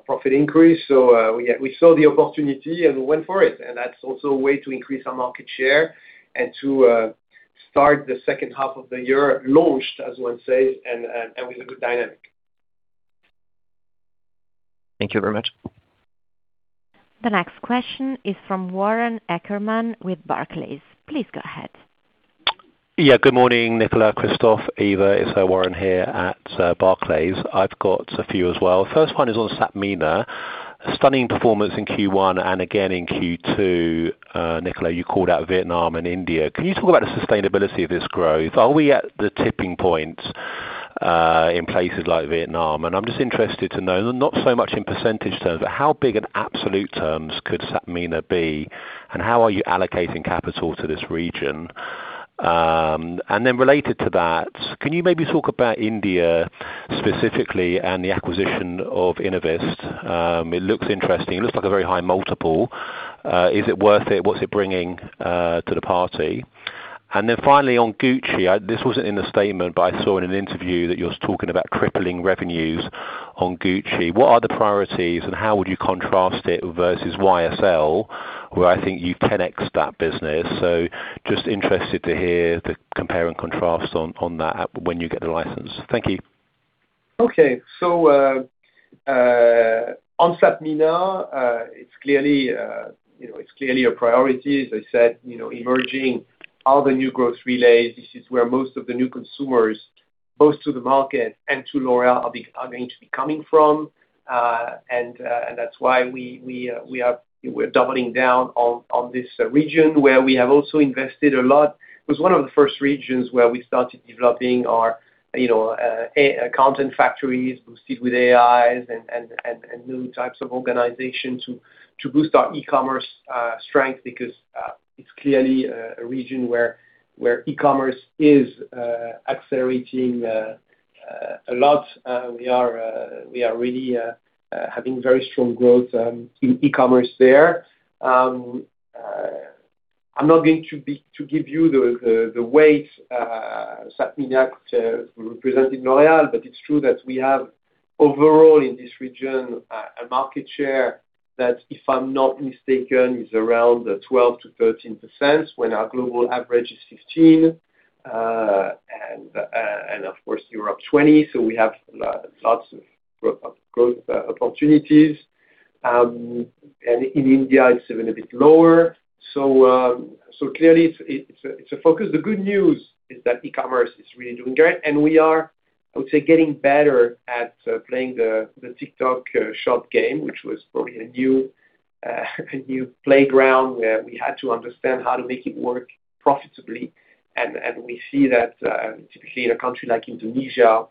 profit increase. We saw the opportunity and went for it. That's also a way to increase our market share and to start the second half of the year launched, as one says, with a good dynamic. Thank you very much. The next question is from Warren Ackerman with Barclays. Please go ahead. Good morning, Nicolas, Christophe, Eva. It's Warren here at Barclays. I've got a few as well. First one is on SAPMENA. Stunning performance in Q1 and again in Q2. Nicolas, you called out Vietnam and India. Can you talk about the sustainability of this growth? Are we at the tipping point in places like Vietnam? I'm just interested to know, not so much in percentage terms, but how big in absolute terms could SAPMENA be, and how are you allocating capital to this region? Related to that, can you maybe talk about India specifically and the acquisition of Innovist? It looks interesting. It looks like a very high multiple. Is it worth it? What's it bringing to the party? Finally on Gucci, this wasn't in the statement, but I saw in an interview that you're talking about crippling revenues on Gucci. What are the priorities, and how would you contrast it versus YSL, where I think you 10x'd that business? Just interested to hear the compare and contrast on that when you get the license. Thank you. Okay. On SAPMENA, it's clearly a priority. As I said, emerging are the new growth relays. This is where most of the new consumers, both to the market and to L'Oréal, are going to be coming from. That's why we're doubling down on this region where we have also invested a lot. It was one of the first regions where we started developing our content factories, boosted with AI and new types of organizations to boost our e-commerce strength, because it's clearly a region where e-commerce is accelerating a lot. We are really having very strong growth in e-commerce there. I'm not going to give you the weight SAPMENA represents in L'Oréal, but it's true that we have, overall in this region, a market share that, if I'm not mistaken, is around 12%-13%, when our global average is 15%. Of course, Europe 20%. We have lots of growth opportunities. In India, it's even a bit lower. Clearly it's a focus. The good news is that e-commerce is really doing great, and we are getting better at playing the TikTok Shop game, which was probably a new playground where we had to understand how to make it work profitably. We see that typically in a country like Indonesia,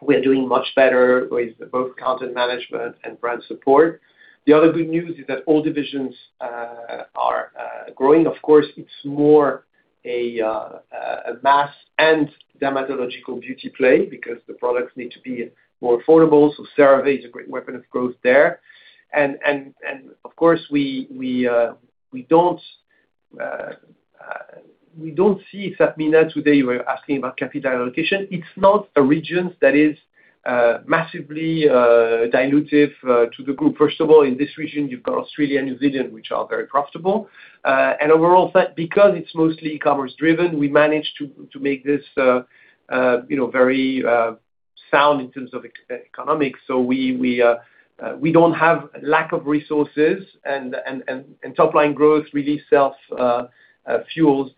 we are doing much better with both content management and brand support. The other good news is that all divisions are growing. Of course, it's more a mass and dermatological beauty play because the products need to be more affordable. CeraVe is a great weapon of growth there. Of course, we don't see that SAPMENA today, you were asking about capital allocation. It's not a region that is massively dilutive to the group. First of all, in this region, you've got Australia and New Zealand, which are very profitable. Overall, because it's mostly e-commerce driven, we managed to make this very sound in terms of economics. We don't have lack of resources, and top line growth really self-fuels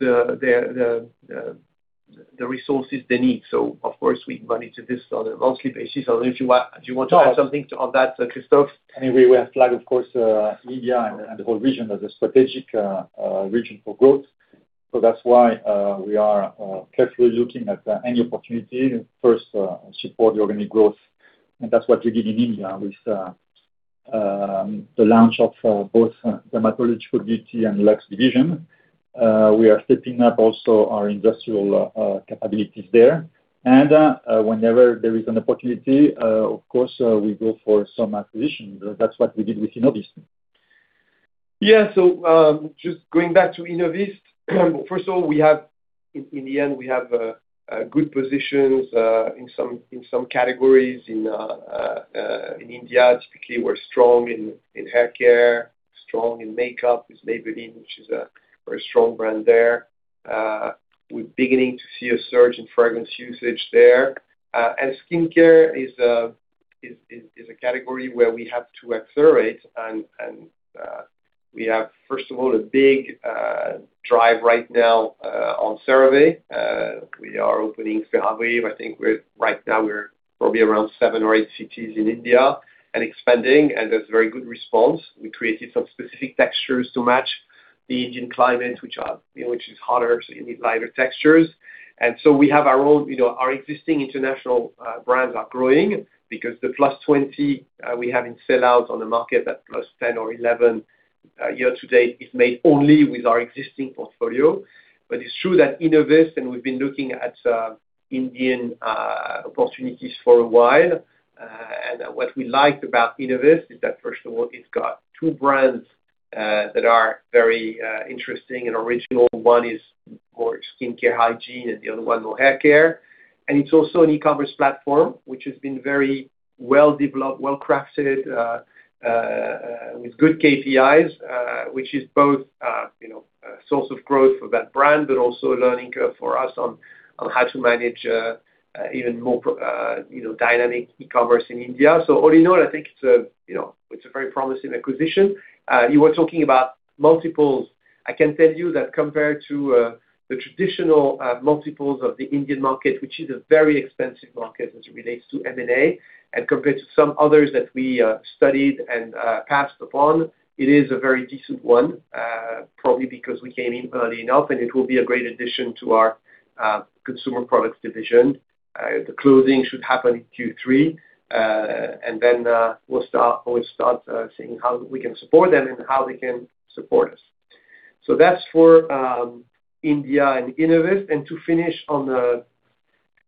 the resources they need. Of course, we monitor this on a monthly basis. Do you want to add something on that, Christophe? Anyway, we have flagged, of course, India and the whole region as a strategic region for growth. That's why we are carefully looking at any opportunity, first, support the organic growth, and that's what we did in India with the launch of both Dermatological Beauty and Luxe Division. We are setting up also our industrial capabilities there. Whenever there is an opportunity, of course, we go for some acquisition. That's what we did with Innovist. Yeah. Just going back to Innovist. First of all, in India, we have good positions in some categories. In India, typically, we're strong in haircare, strong in makeup with Maybelline, which is a very strong brand there. We're beginning to see a surge in fragrance usage there. Skincare is a category where we have to accelerate, and we have, first of all, a big drive right now on CeraVe. We are opening CeraVe. I think right now we're probably around seven or eight cities in India and expanding, and there's very good response. We created some specific textures to match the Indian climate, which is hotter, so you need lighter textures. So our existing international brands are growing because the +20% we have in sellouts on the market, that +10% or +11% year-to-date is made only with our existing portfolio. It's true that Innovist, and we've been looking at Indian opportunities for a while. What we liked about Innovist is that, first of all, it's got two brands that are very interesting and original. One is more skincare, hygiene, and the other one more haircare. It's also an e-commerce platform, which has been very well-developed, well-crafted, with good KPIs which is both a source of growth for that brand, but also a learning curve for us on how to manage even more dynamic e-commerce in India. All in all, I think it's a very promising acquisition. You were talking about multiples. I can tell you that compared to the traditional multiples of the Indian market, which is a very expensive market as it relates to M&A, and compared to some others that we studied and passed upon, it is a very decent one, probably because we came in early enough, and it will be a great addition to our Consumer Products Division. The closing should happen in Q3, then we'll start seeing how we can support them and how they can support us. That's for India and Innovist. To finish on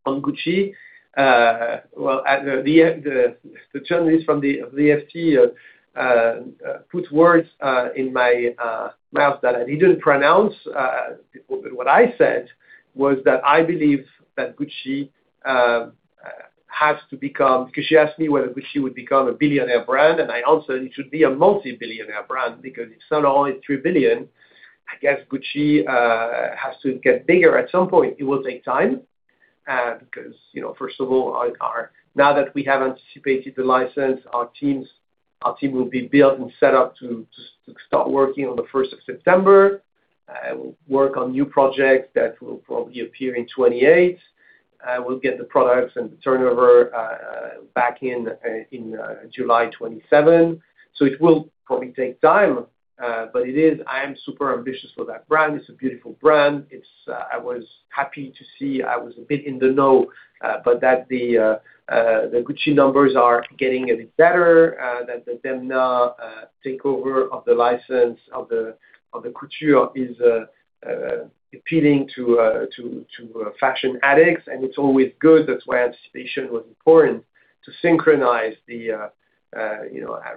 Gucci. Well, the journalist from the FT put words in my mouth that I didn't pronounce. What I said was that I believe that Gucci has to become. She asked me whether Gucci would become a billionaire brand, and I answered, it should be a multi-billionaire brand because it's not only 3 billion. I guess Gucci has to get bigger at some point. It will take time because, first of all, now that we have anticipated the license, our team will be built and set up to start working on the 1st of September, work on new projects that will probably appear in 2028. We'll get the products and the turnover back in July 2027. It will probably take time. I am super ambitious for that brand. It's a beautiful brand. I was happy to see, I was a bit in the know, but that the Gucci numbers are getting a bit better, that the Demna takeover of the license of the couture is appealing to fashion addicts, and it's always good. That's why anticipation was important to synchronize the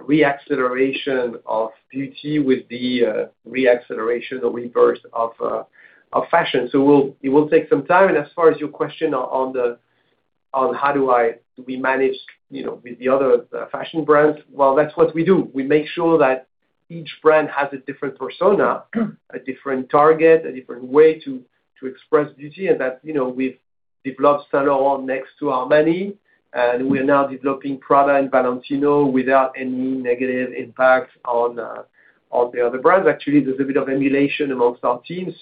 re-acceleration of beauty with the re-acceleration or rebirth of fashion. It will take some time. As far as your question on how do we manage with the other fashion brands, well, that's what we do. We make sure that each brand has a different persona, a different target, a different way to express beauty, and that we've developed Saint Laurent next to Armani, and we are now developing Prada and Valentino without any negative impact on the other brands. Actually, there's a bit of emulation amongst our team.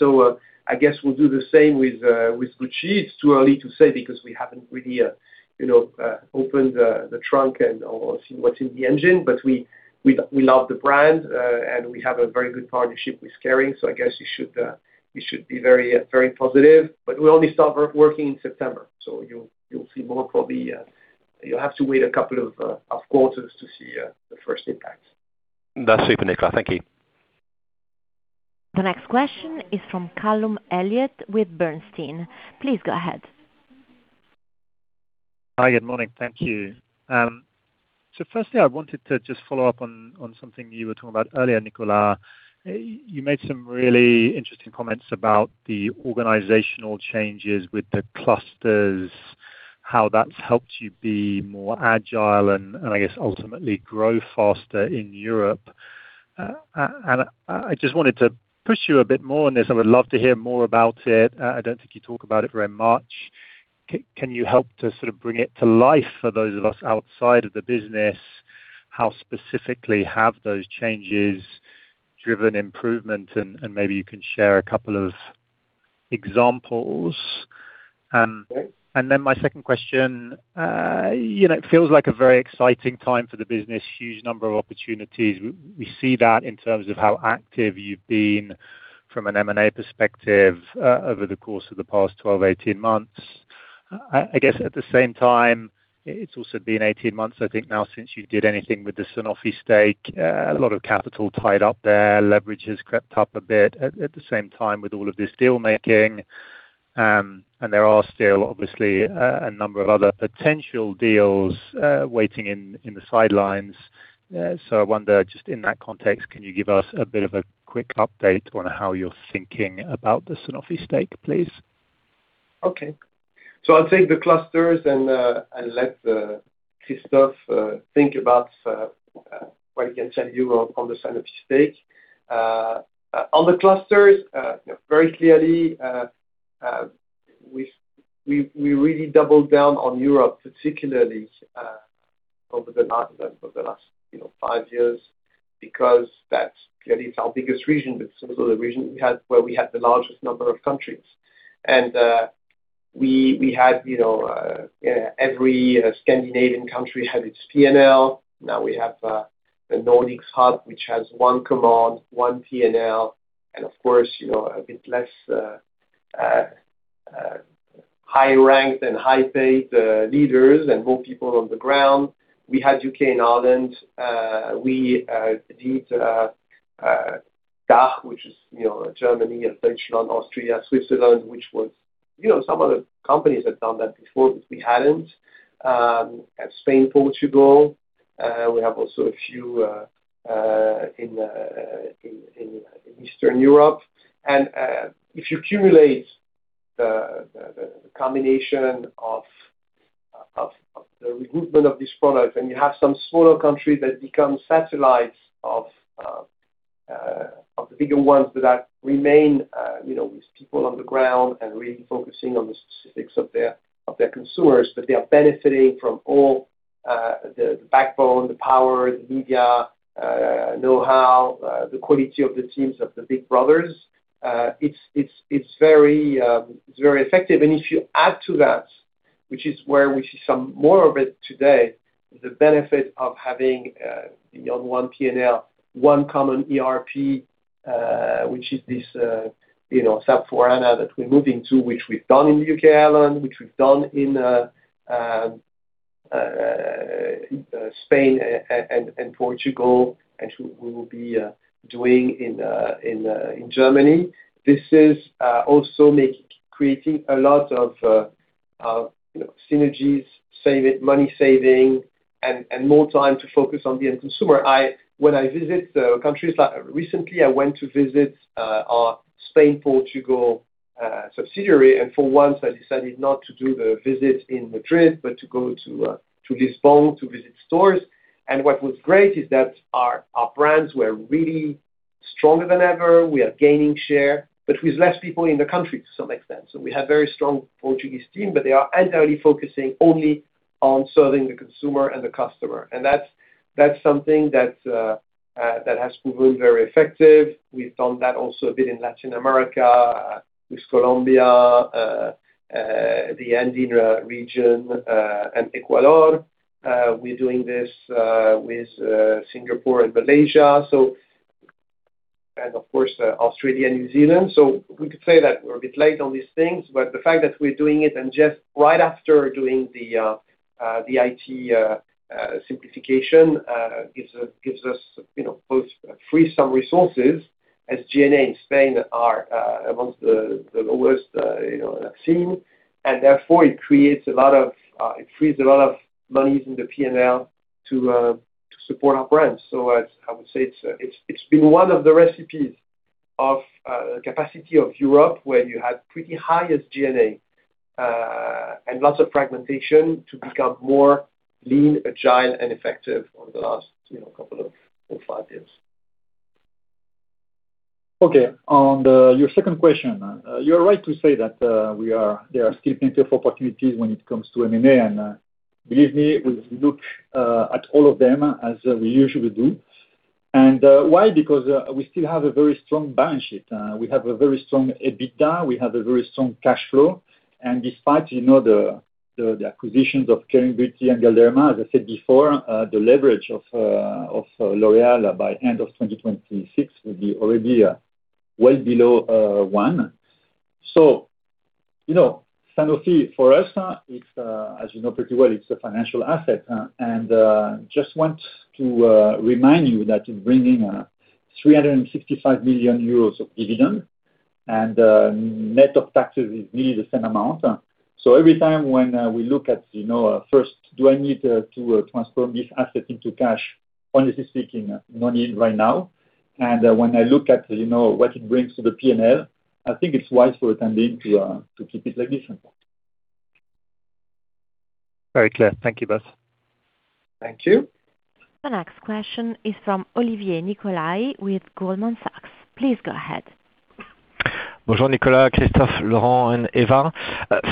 I guess we'll do the same with Gucci. It's too early to say because we haven't really opened the trunk and/or seen what's in the engine. We love the brand, and we have a very good partnership with Kering, so I guess you should be very positive. We only start working in September, so you'll have to wait a couple of quarters to see the first impact. That's super, Nicolas. Thank you. The next question is from Callum Elliott with Bernstein. Please go ahead. Hi, good morning. Thank you. Firstly, I wanted to just follow up on something you were talking about earlier, Nicolas. You made some really interesting comments about the organizational changes with the clusters, how that's helped you be more agile and, I guess, ultimately grow faster in Europe. I just wanted to push you a bit more on this. I would love to hear more about it. I don't think you talk about it very much. Can you help to sort of bring it to life for those of us outside of the business? How specifically have those changes driven improvement? Maybe you can share a couple of examples. Okay. Then my second question. It feels like a very exciting time for the business, huge number of opportunities. We see that in terms of how active you've been from an M&A perspective, over the course of the past 12, 18 months. I guess at the same time, it's also been 18 months, I think now, since you did anything with the Sanofi stake. A lot of capital tied up there. Leverage has crept up a bit at the same time with all of this deal-making. There are still obviously a number of other potential deals waiting in the sidelines. I wonder, just in that context, can you give us a bit of a quick update on how you're thinking about the Sanofi stake, please? Okay. I'll take the clusters and let Christophe think about what he can tell you on the Sanofi stake. On the clusters, very clearly, we really doubled down on Europe, particularly over the last five years, because that clearly is our biggest region. It's also the region where we have the largest number of countries. Every Scandinavian country had its P&L. Now we have a Nordics hub, which has one command, one P&L, and of course, a bit less high-ranked and high-paid leaders and more people on the ground. We had U.K. and Ireland. We did DACH, which is Germany and Benelux, Austria, Switzerland, which some other companies have done that before, but we hadn't. We have Spain, Portugal. We have also a few in Eastern Europe. If you cumulate the combination of the recruitment of these products. You have some smaller countries that become satellites of the bigger ones that remain with people on the ground and really focusing on the specifics of their consumers. They are benefiting from all the backbone, the power, the media know-how, the quality of the teams of the big brothers. It is very effective. If you add to that, which is where we see some more of it today, the benefit of having beyond one P&L, one common ERP, which is this SAP S/4HANA that we are moving to, which we have done in the U.K. and Ireland, which we have done in Spain and Portugal, and we will be doing in Germany. This is also creating a lot of synergies, money-saving, and more time to focus on the end consumer. When I visit countries. Recently, I went to visit our Spain, Portugal subsidiary. For once, I decided not to do the visit in Madrid, but to go to Lisbon to visit stores. What was great is that our brands were really stronger than ever. We are gaining share, but with fewer people in the country to some extent. We have very strong Portuguese team. They are entirely focusing only on serving the consumer and the customer. That is something that has proven very effective. We have done that also a bit in Latin America with Colombia, the Andean region, and Ecuador. We are doing this with Singapore and Malaysia, and of course, Australia and New Zealand. We could say that we are a bit late on these things, but the fact that we are doing it and just right after doing the IT simplification gives us, both free some resources as SG&A and Spain are amongst the lowest I have seen, and therefore it frees a lot of monies in the P&L to support our brands. I would say it has been one of the recipes Of capacity of Europe, where you had pretty high SG&A and lots of fragmentation to become more lean, agile, and effective over the last couple of four or five years. On your second question, you are right to say that there are still plenty of opportunities when it comes to M&A. Believe me, we look at all of them as we usually do. Why? Because we still have a very strong balance sheet. We have a very strong EBITDA. We have a very strong cash flow. Despite the acquisitions of Kering Beauté and Galderma, as I said before, the leverage of L'Oréal by end of 2026 will be already well below one. Sanofi, for us, as you know pretty well, it's a financial asset, just want to remind you that it bring in 365 million euros of dividend, net of taxes is really the same amount. Every time when we look at first, do I need to transform this asset into cash? Honestly speaking, no need right now. When I look at what it brings to the P&L, I think it's wise for the time being to keep it like this. Very clear. Thank you both. Thank you. The next question is from Olivier Nicolai with Goldman Sachs. Please go ahead. Bonjour, Nicolas, Christophe, Laurent, and Eva.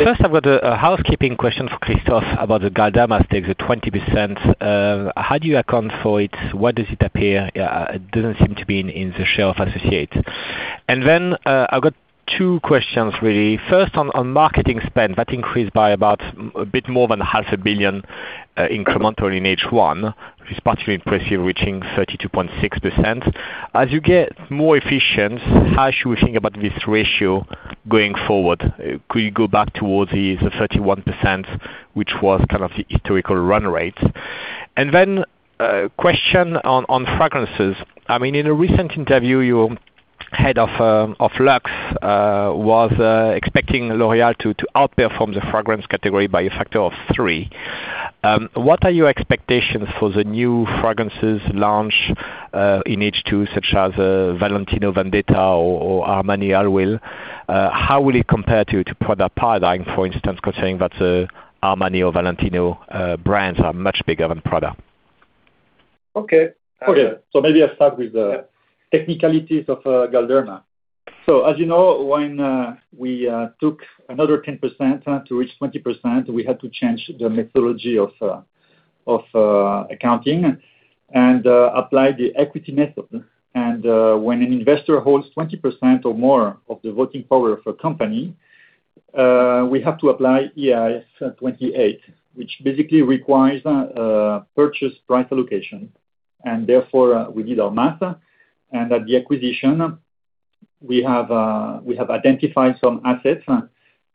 First, I've got a housekeeping question for Christophe about the Galderma stake, the 20%. How do you account for it? Where does it appear? It doesn't seem to be in the share of associates. I've got two questions really. First, on marketing spend, that increased by about a bit more than half a billion incremental in H1, which is particularly impressive, reaching 32.6%. As you get more efficient, how should we think about this ratio going forward? Could you go back towards the 31%, which was kind of the historical run rate? Question on fragrances. In a recent interview, your head of Luxe was expecting L'Oréal to outperform the fragrance category by a factor of three. What are your expectations for the new fragrances launch in H2, such as Valentino Donna Born in Roma or Armani My Way? How will it compare to Prada Paradoxe, for instance, considering that Armani or Valentino brands are much bigger than Prada? Okay. Okay. Maybe I'll start with the technicalities of Galderma. As you know, when we took another 10% to reach 20%, we had to change the methodology of accounting and apply the equity method. When an investor holds 20% or more of the voting power of a company, we have to apply IAS 28, which basically requires purchase price allocation. We did our math, and at the acquisition, we have identified some assets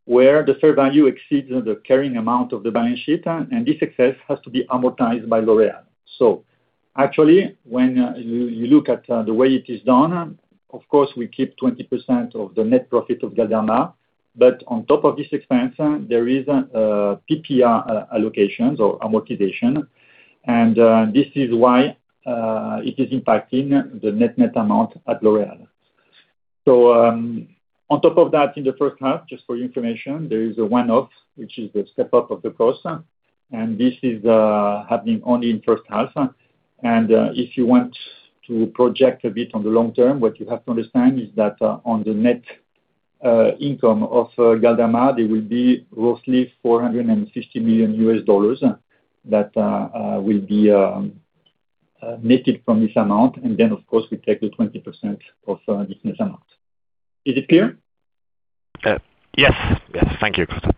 where the fair value exceeds the carrying amount of the balance sheet, and this excess has to be amortized by L'Oréal. When you look at the way it is done, of course, we keep 20% of the net profit of Galderma, but on top of this expense, there is a PPA allocations or amortization, and this is why it is impacting the net-net amount at L'Oréal. On top of that, in the first half, just for your information, there is a one-off, which is the step-up of the cost, and this is happening only in first half. If you want to project a bit on the long term, what you have to understand is that on the net income of Galderma, there will be roughly $450 million that will be netted from this amount. Of course, we take the 20% of this net amount. Is it clear? Yes. Thank you, Christophe.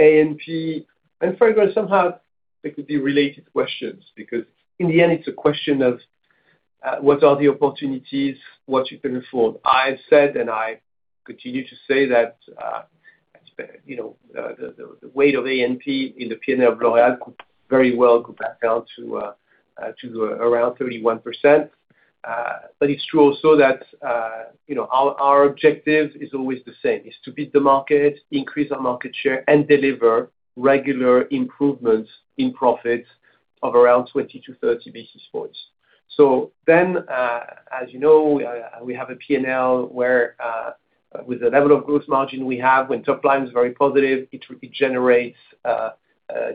A&P and fragrance, somehow they could be related questions because in the end, it's a question of what are the opportunities, what you can afford. I've said, and I continue to say that the weight of A&P in the P&L of L'Oréal could very well go back down to around 31%. It's true also that our objective is always the same, is to beat the market, increase our market share, and deliver regular improvements in profits of around 20-30 basis points. As you know, we have a P&L where with the level of gross margin we have, when top line is very positive, it really generates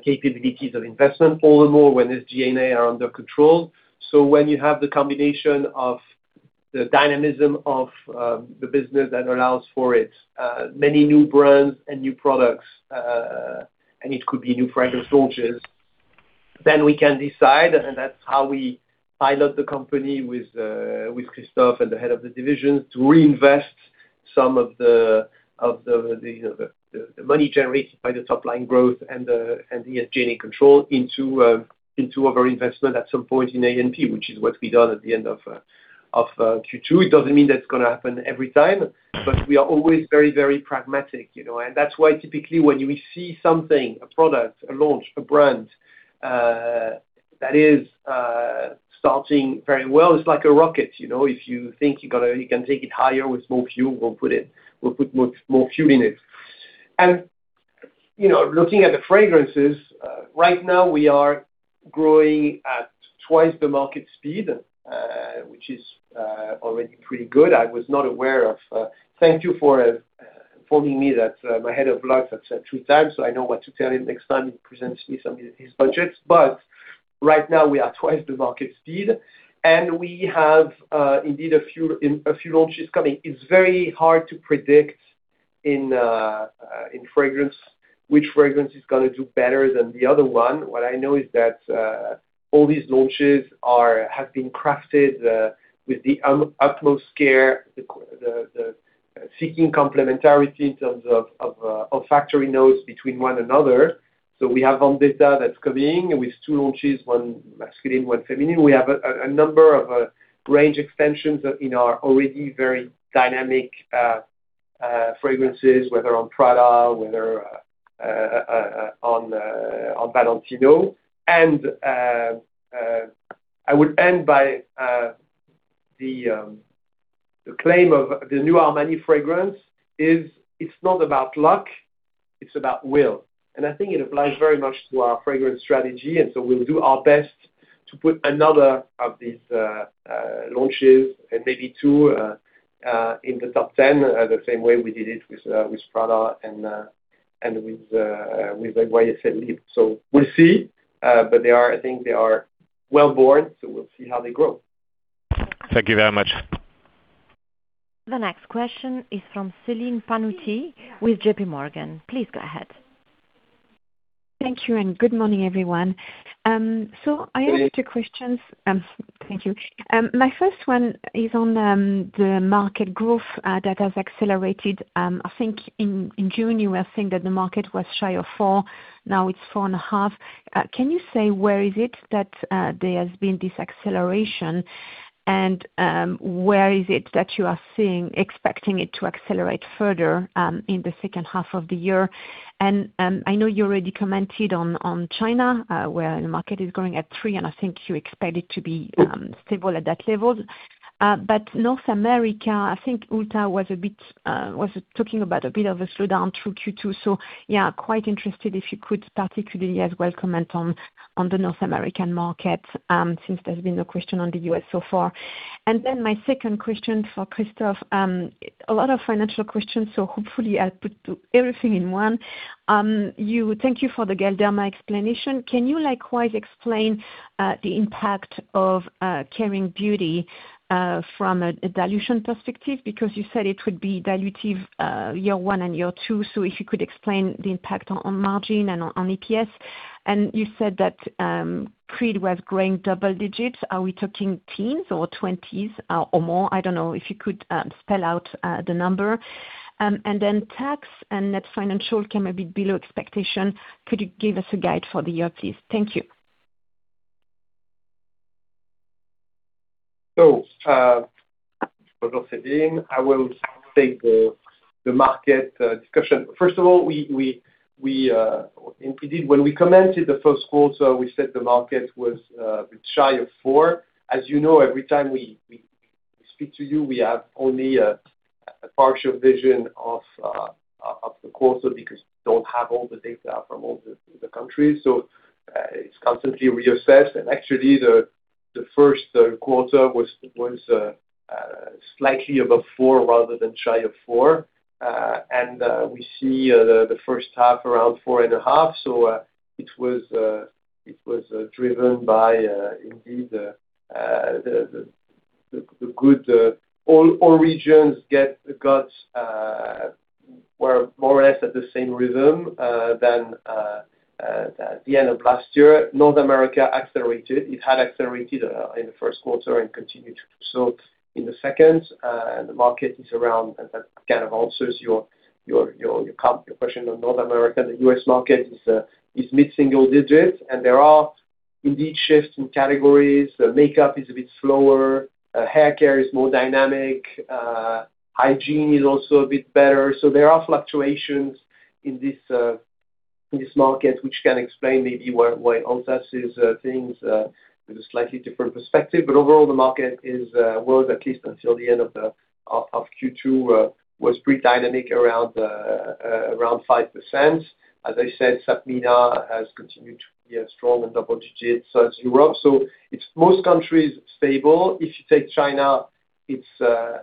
capabilities of investment all the more when SG&A are under control. When you have the combination of the dynamism of the business that allows for its many new brands and new products, and it could be new fragrance launches, then we can decide, and that's how we pilot the company with Christophe and the head of the division to reinvest some of the money generated by the top-line growth and the SG&A control into our investment at some point in A&P, which is what we done at the end of Q2. It doesn't mean that's going to happen every time, but we are always very pragmatic. That's why typically when we see something, a product, a launch, a brand that is starting very well, it's like a rocket. If you think you can take it higher with more fuel, we'll put more fuel in it. Looking at the fragrances, right now we are growing at twice the market speed, which is already pretty good. I was not aware of. Thank you for informing me that. My head of Luxe has said two times, so I know what to tell him next time he presents me some of his budgets. Right now we are twice the market speed, and we have indeed a few launches coming. It's very hard to predict in fragrance which fragrance is going to do better than the other one. What I know is that all these launches have been crafted with the utmost care, the seeking complementarity in terms of olfactory notes between one another. We have one data that's coming with two launches, one masculine, one feminine. We have a number of range extensions in our already very dynamic fragrances, whether on Prada, whether on Valentino. I would end by the claim of the new Armani fragrance is, "It's not about luck, it's about will." I think it applies very much to our fragrance strategy. We'll do our best to put another of these launches, and maybe two, in the top 10, the same way we did it with Prada and with YSL Libre. We'll see. I think they are well born, so we'll see how they grow. Thank you very much. The next question is from Celine Pannuti with JPMorgan. Please go ahead. Thank you, good morning, everyone. I have two questions. Thank you. My first one is on the market growth that has accelerated. I think in June, you were saying that the market was shy of four. Now it's four and a half. Can you say where is it that there has been this acceleration, and where is it that you are expecting it to accelerate further in the second half of the year? I know you already commented on China, where the market is growing at three, and I think you expect it to be stable at that level. North America, I think Ulta was talking about a bit of a slowdown through Q2. Yeah, quite interested if you could particularly as well comment on the North American market since there's been no question on the U.S. so far. My second question for Christophe. A lot of financial questions, so hopefully I'll put everything in one. Thank you for the Galderma explanation. Can you likewise explain the impact of Kering Beauté from a dilution perspective? You said it would be dilutive year one and year two, so if you could explain the impact on margin and on EPS. You said that Creed was growing double digits. Are we talking teens or 20s or more? I don't know if you could spell out the number. Tax and net financial came a bit below expectation. Could you give us a guide for the year, please? Thank you. Hello Celine, I will take the market discussion. First of all, indeed, when we commented the first quarter, we said the market was a bit shy of four. As you know, every time we speak to you, we have only a partial vision of the quarter because we don't have all the data from all the countries. It's constantly reassessed. Actually, the first quarter was slightly above four rather than shy of four. We see the first half around four and a half. It was driven by indeed the good-- All regions were more or less at the same rhythm than the end of last year. North America accelerated. It had accelerated in the first quarter and continued to do so in the second. The market is around, and that kind of answers your question on North America, the U.S. market is mid-single digits, and there are indeed shifts in categories. Makeup is a bit slower. Hair care is more dynamic. Hygiene is also a bit better. There are fluctuations in this market which can explain maybe why Ulta sees things with a slightly different perspective. Overall, the market was, at least until the end of Q2, was pretty dynamic around 5%. As I said, SAPMENA has continued to be strong in double digits as Europe. It's most countries stable. If you take China, it's the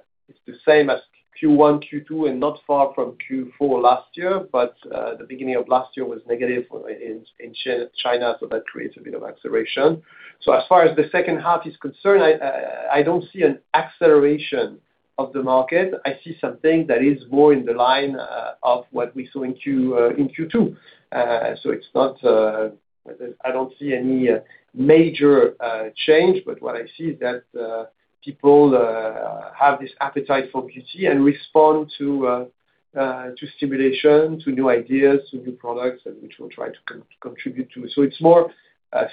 same as Q1, Q2, and not far from Q4 last year. The beginning of last year was negative in China, that creates a bit of acceleration. As far as the second half is concerned, I don't see an acceleration of the market. I see something that is more in the line of what we saw in Q2. I don't see any major change. What I see is that people have this appetite for beauty and respond to stimulation, to new ideas, to new products, which we'll try to contribute to.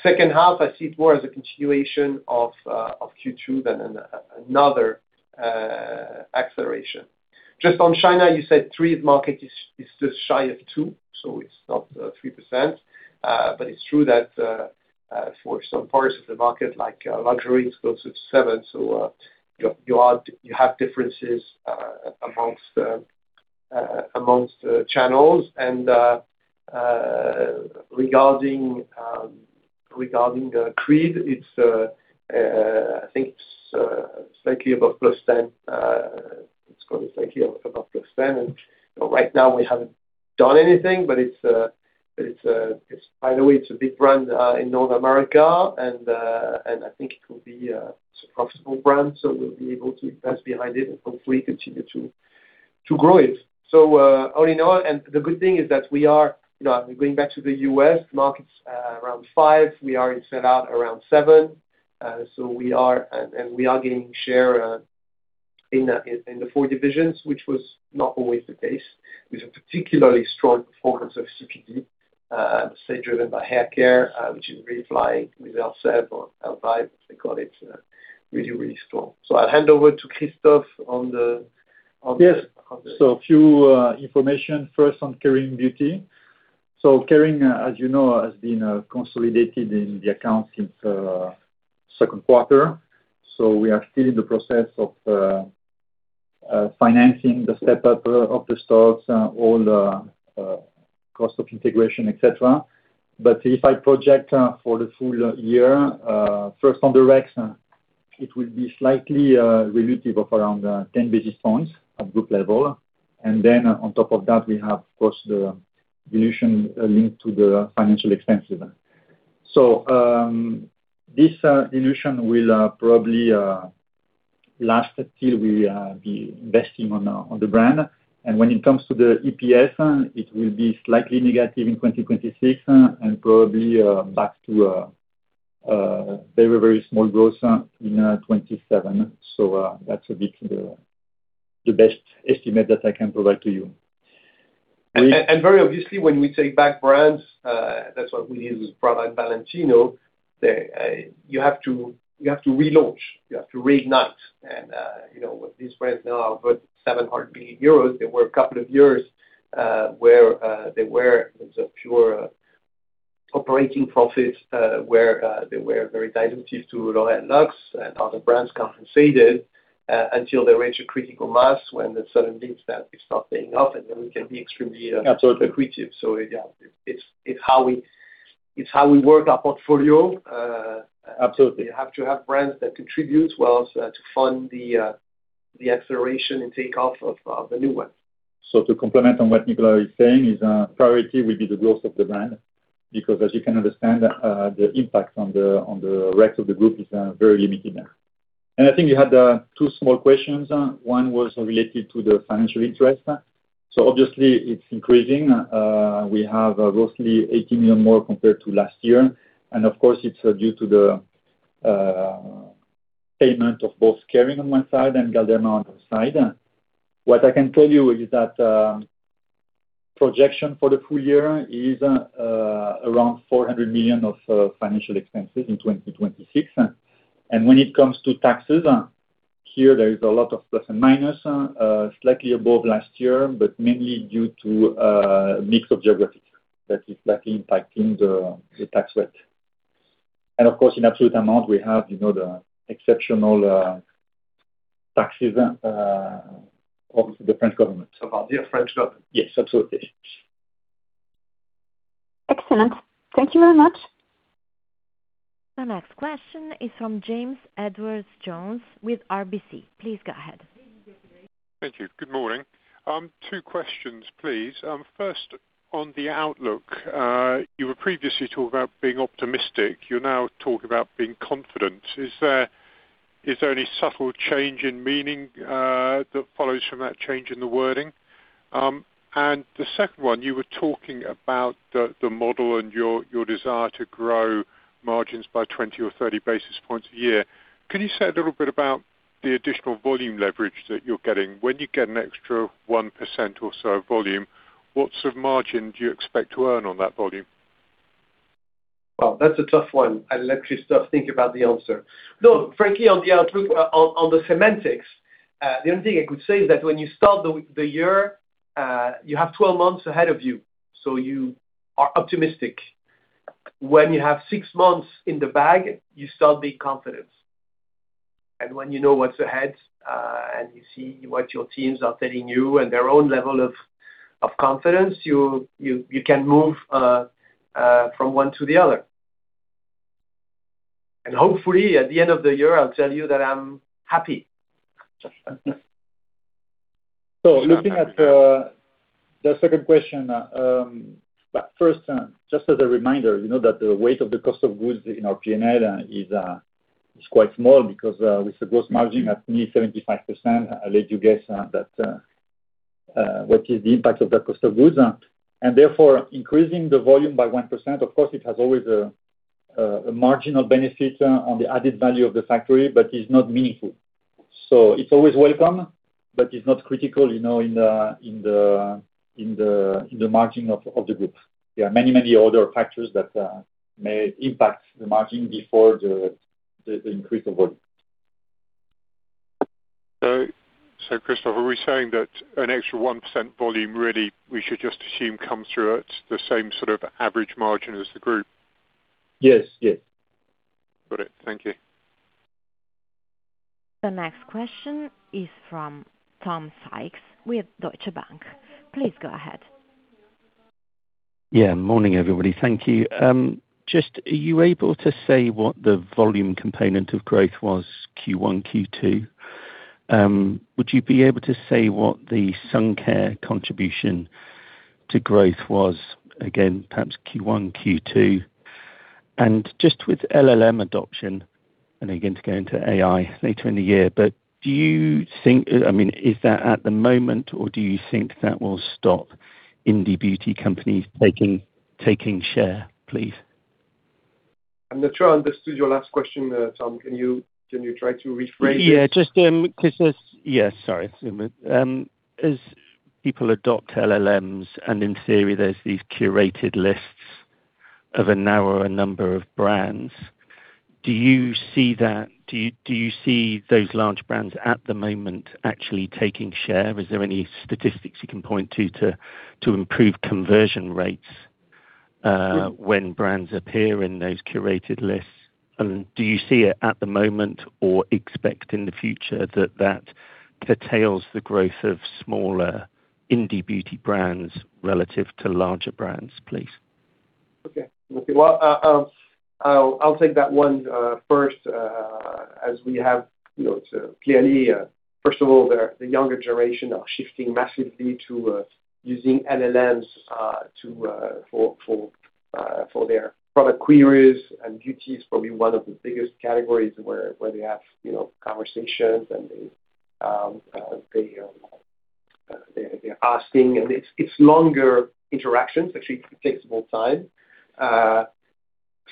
Second half, I see it more as a continuation of Q2 than another acceleration. Just on China, you said three market is just shy of two, so it's not 3%. It's true that for some parts of the market, like luxury, it goes up to seven. You have differences amongst channels. Regarding Creed, I think it's slightly above +10. It's going slightly above +10%. Right now we haven't done anything. By the way, it's a big brand in North America, and I think it could be a profitable brand. We'll be able to invest behind it and hopefully continue to grow it. All in all, the good thing is that we are, going back to the U.S. markets, around 5%, we already set out around 7%. We are gaining share in the four divisions, which was not always the case, with a particularly strong performance of CPD, say driven by haircare, which is really flying with Elvive, they call it. Really strong. I'll hand over to Christophe on the- Yes. A few information first on Kering Beauté. Kering, as you know, has been consolidated in the accounts since second quarter. We are still in the process of financing the step-up of the stocks, all the cost of integration, et cetera. If I project for the full year, first on the recs, it will be slightly dilutive of around 10 basis points at group level. On top of that, we have, of course, the dilution linked to the financial expenses. This dilution will probably last until we are investing on the brand. When it comes to the EPS, it will be slightly negative in 2026 and probably back to a very small growth in 2027. That's the best estimate that I can provide to you. Very obviously, when we take back brands, that's why we use Prada and Valentino, you have to relaunch, you have to reignite. With these brands now worth 700 million euros, there were a couple of years, where there was a pure operating profit, where they were very dilutive to L'Oréal Luxe. Other brands compensated, until they reach a critical mass when it suddenly means that it's not paying off, we can be extremely- Absolutely. -accretive. Yeah. It's how we work our portfolio. Absolutely. You have to have brands that contribute well to fund the acceleration and takeoff of the new ones. To complement on what Nicolas is saying, priority will be the growth of the brand, because as you can understand, the impact on the rest of the group is very limited. I think you had two small questions. One was related to the financial interest. Obviously it's increasing. We have roughly 80 million more compared to last year. Of course, it's due to the payment of both Kering on one side and Galderma on the side. What I can tell you is that projection for the full year is around 400 million of financial expenses in 2026. When it comes to taxes, here there is a lot of plus and minus, slightly above last year, but mainly due to a mix of geographies that is slightly impacting the tax rate. Of course, in absolute amount, we have the exceptional taxes of the French government. L'Oréal French government. Yes, absolutely. Excellent. Thank you very much. The next question is from James Edward Jones with RBC. Please go ahead. Thank you. Good morning. Two questions, please. First on the outlook. You were previously talking about being optimistic. You're now talking about being confident. Is there any subtle change in meaning that follows from that change in the wording? The second one, you were talking about the model and your desire to grow margins by 20 or 30 basis points a year. Can you say a little bit about the additional volume leverage that you're getting? When you get an extra 1% or so of volume, what sort of margin do you expect to earn on that volume? Wow, that's a tough one. I'll let Christophe think about the answer. Frankly, on the outlook, on the semantics, the only thing I could say is that when you start the year, you have 12 months ahead of you are optimistic. When you have six months in the bag, you start being confident. When you know what's ahead, and you see what your teams are telling you and their own level of confidence, you can move from one to the other. Hopefully, at the end of the year, I'll tell you that I'm happy. Looking at the second question. First, just as a reminder, you know that the weight of the cost of goods in our P&L is quite small because with the gross margin at nearly 75%, I'll let you guess what is the impact of that cost of goods. Therefore, increasing the volume by 1%, of course, it has always a marginal benefit on the added value of the factory, but it's not meaningful. It's always welcome, but it's not critical in the margin of the group. There are many other factors that may impact the margin before the increase of volume. Christophe, are we saying that an extra 1% volume really, we should just assume comes through at the same sort of average margin as the group? Yes. Got it. Thank you. The next question is from Tom Sykes with Deutsche Bank. Please go ahead. Yeah. Morning, everybody. Thank you. Just are you able to say what the volume component of growth was Q1, Q2? Would you be able to say what the sun care contribution to growth was, again, perhaps Q1, Q2? Do you think-- Is that at the moment, or do you think that will stop indie beauty companies taking share, please? I'm not sure I understood your last question, Tom. Can you try to rephrase it? Yeah. Sorry, excuse me. As people adopt LLMs, in theory, there's these curated lists of a narrower number of brands, do you see those large brands at the moment actually taking share? Is there any statistics you can point to improve conversion rates- Yeah. -when brands appear in those curated lists? Do you see it at the moment or expect in the future that curtails the growth of smaller indie beauty brands relative to larger brands, please? Okay. I'll take that one first, as we have, clearly, first of all, the younger generation are shifting massively to using LLMs for their product queries, and beauty is probably one of the biggest categories where they have conversations and they're asking. It's longer interactions, actually takes more time.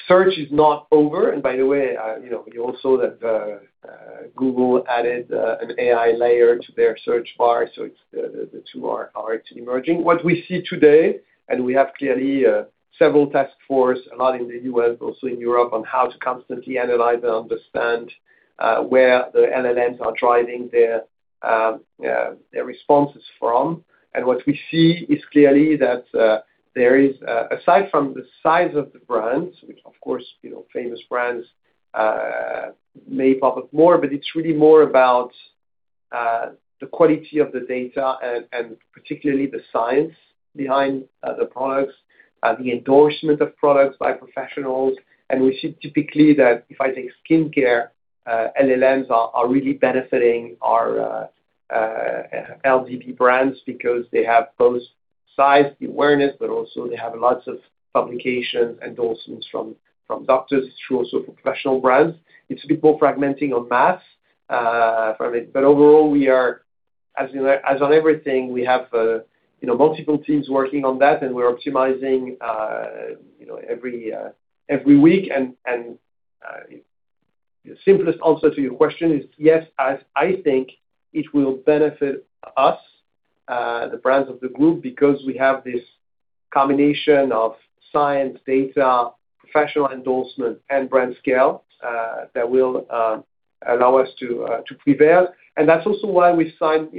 Search is not over, by the way, we also have Google added an AI layer to their search bar, so the two are emerging. What we see today, and we have clearly several task force, a lot in the U.S., also in Europe, on how to constantly analyze and understand where the LLMs are driving their responses from. What we see is clearly that there is, aside from the size of the brands, which of course, famous brands may pop up more, but it's really more about the quality of the data and particularly the science behind the products, the endorsement of products by professionals. We see typically that if I take skincare, LLMs are really benefiting our LDB brands because they have both size, the awareness, but also they have lots of publication endorsements from doctors through also professional brands. It's people fragmenting on mass from it. Overall, as on everything, we have multiple teams working on that, and we're optimizing every week. The simplest answer to your question is yes, as I think it will benefit us, the brands of the group, because we have this combination of science, data, professional endorsement, and brand scale that will allow us to prevail. That's also why we signed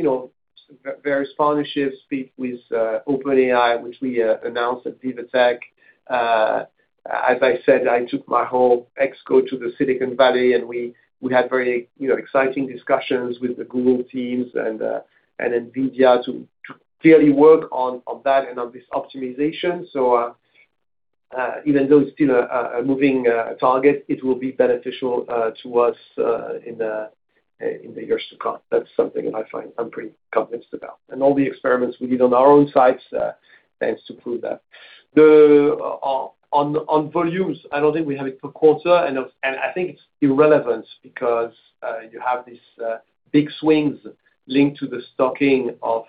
various partnerships with OpenAI, which we announced at Viva Technology. As I said, I took my whole ExCo to the Silicon Valley, and we had very exciting discussions with the Google teams and Nvidia to clearly work on that and on this optimization. Even though it's still a moving target, it will be beneficial to us in the years to come. That's something that I'm pretty convinced about. All the experiments we did on our own sites tends to prove that. On volumes, I don't think we have it per quarter, and I think it's irrelevant because you have these big swings linked to the stocking of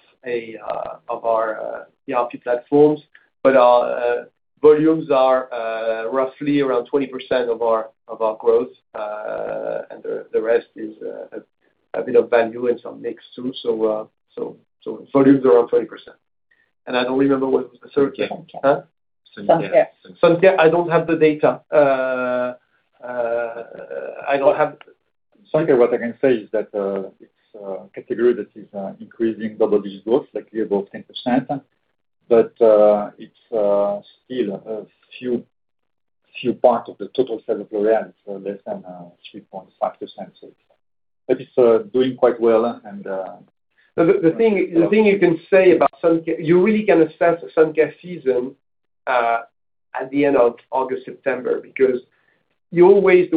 our e-beauty platforms. Our volumes are roughly around 20% of our growth, and the rest is a bit of value and some mix too. Volumes are up 20%. I don't remember what was the third thing. Sun care. Huh? Sun care. Sun care, I don't have the data. Sun care, what I can say is that it's a category that is increasing double digits growth, like about 10%, but it's still a few part of the total sale of L'Oréal, so less than 3.5%, but it's doing quite well. The thing you can say about sun care, you really can assess the sun care season at the end of August, September, because the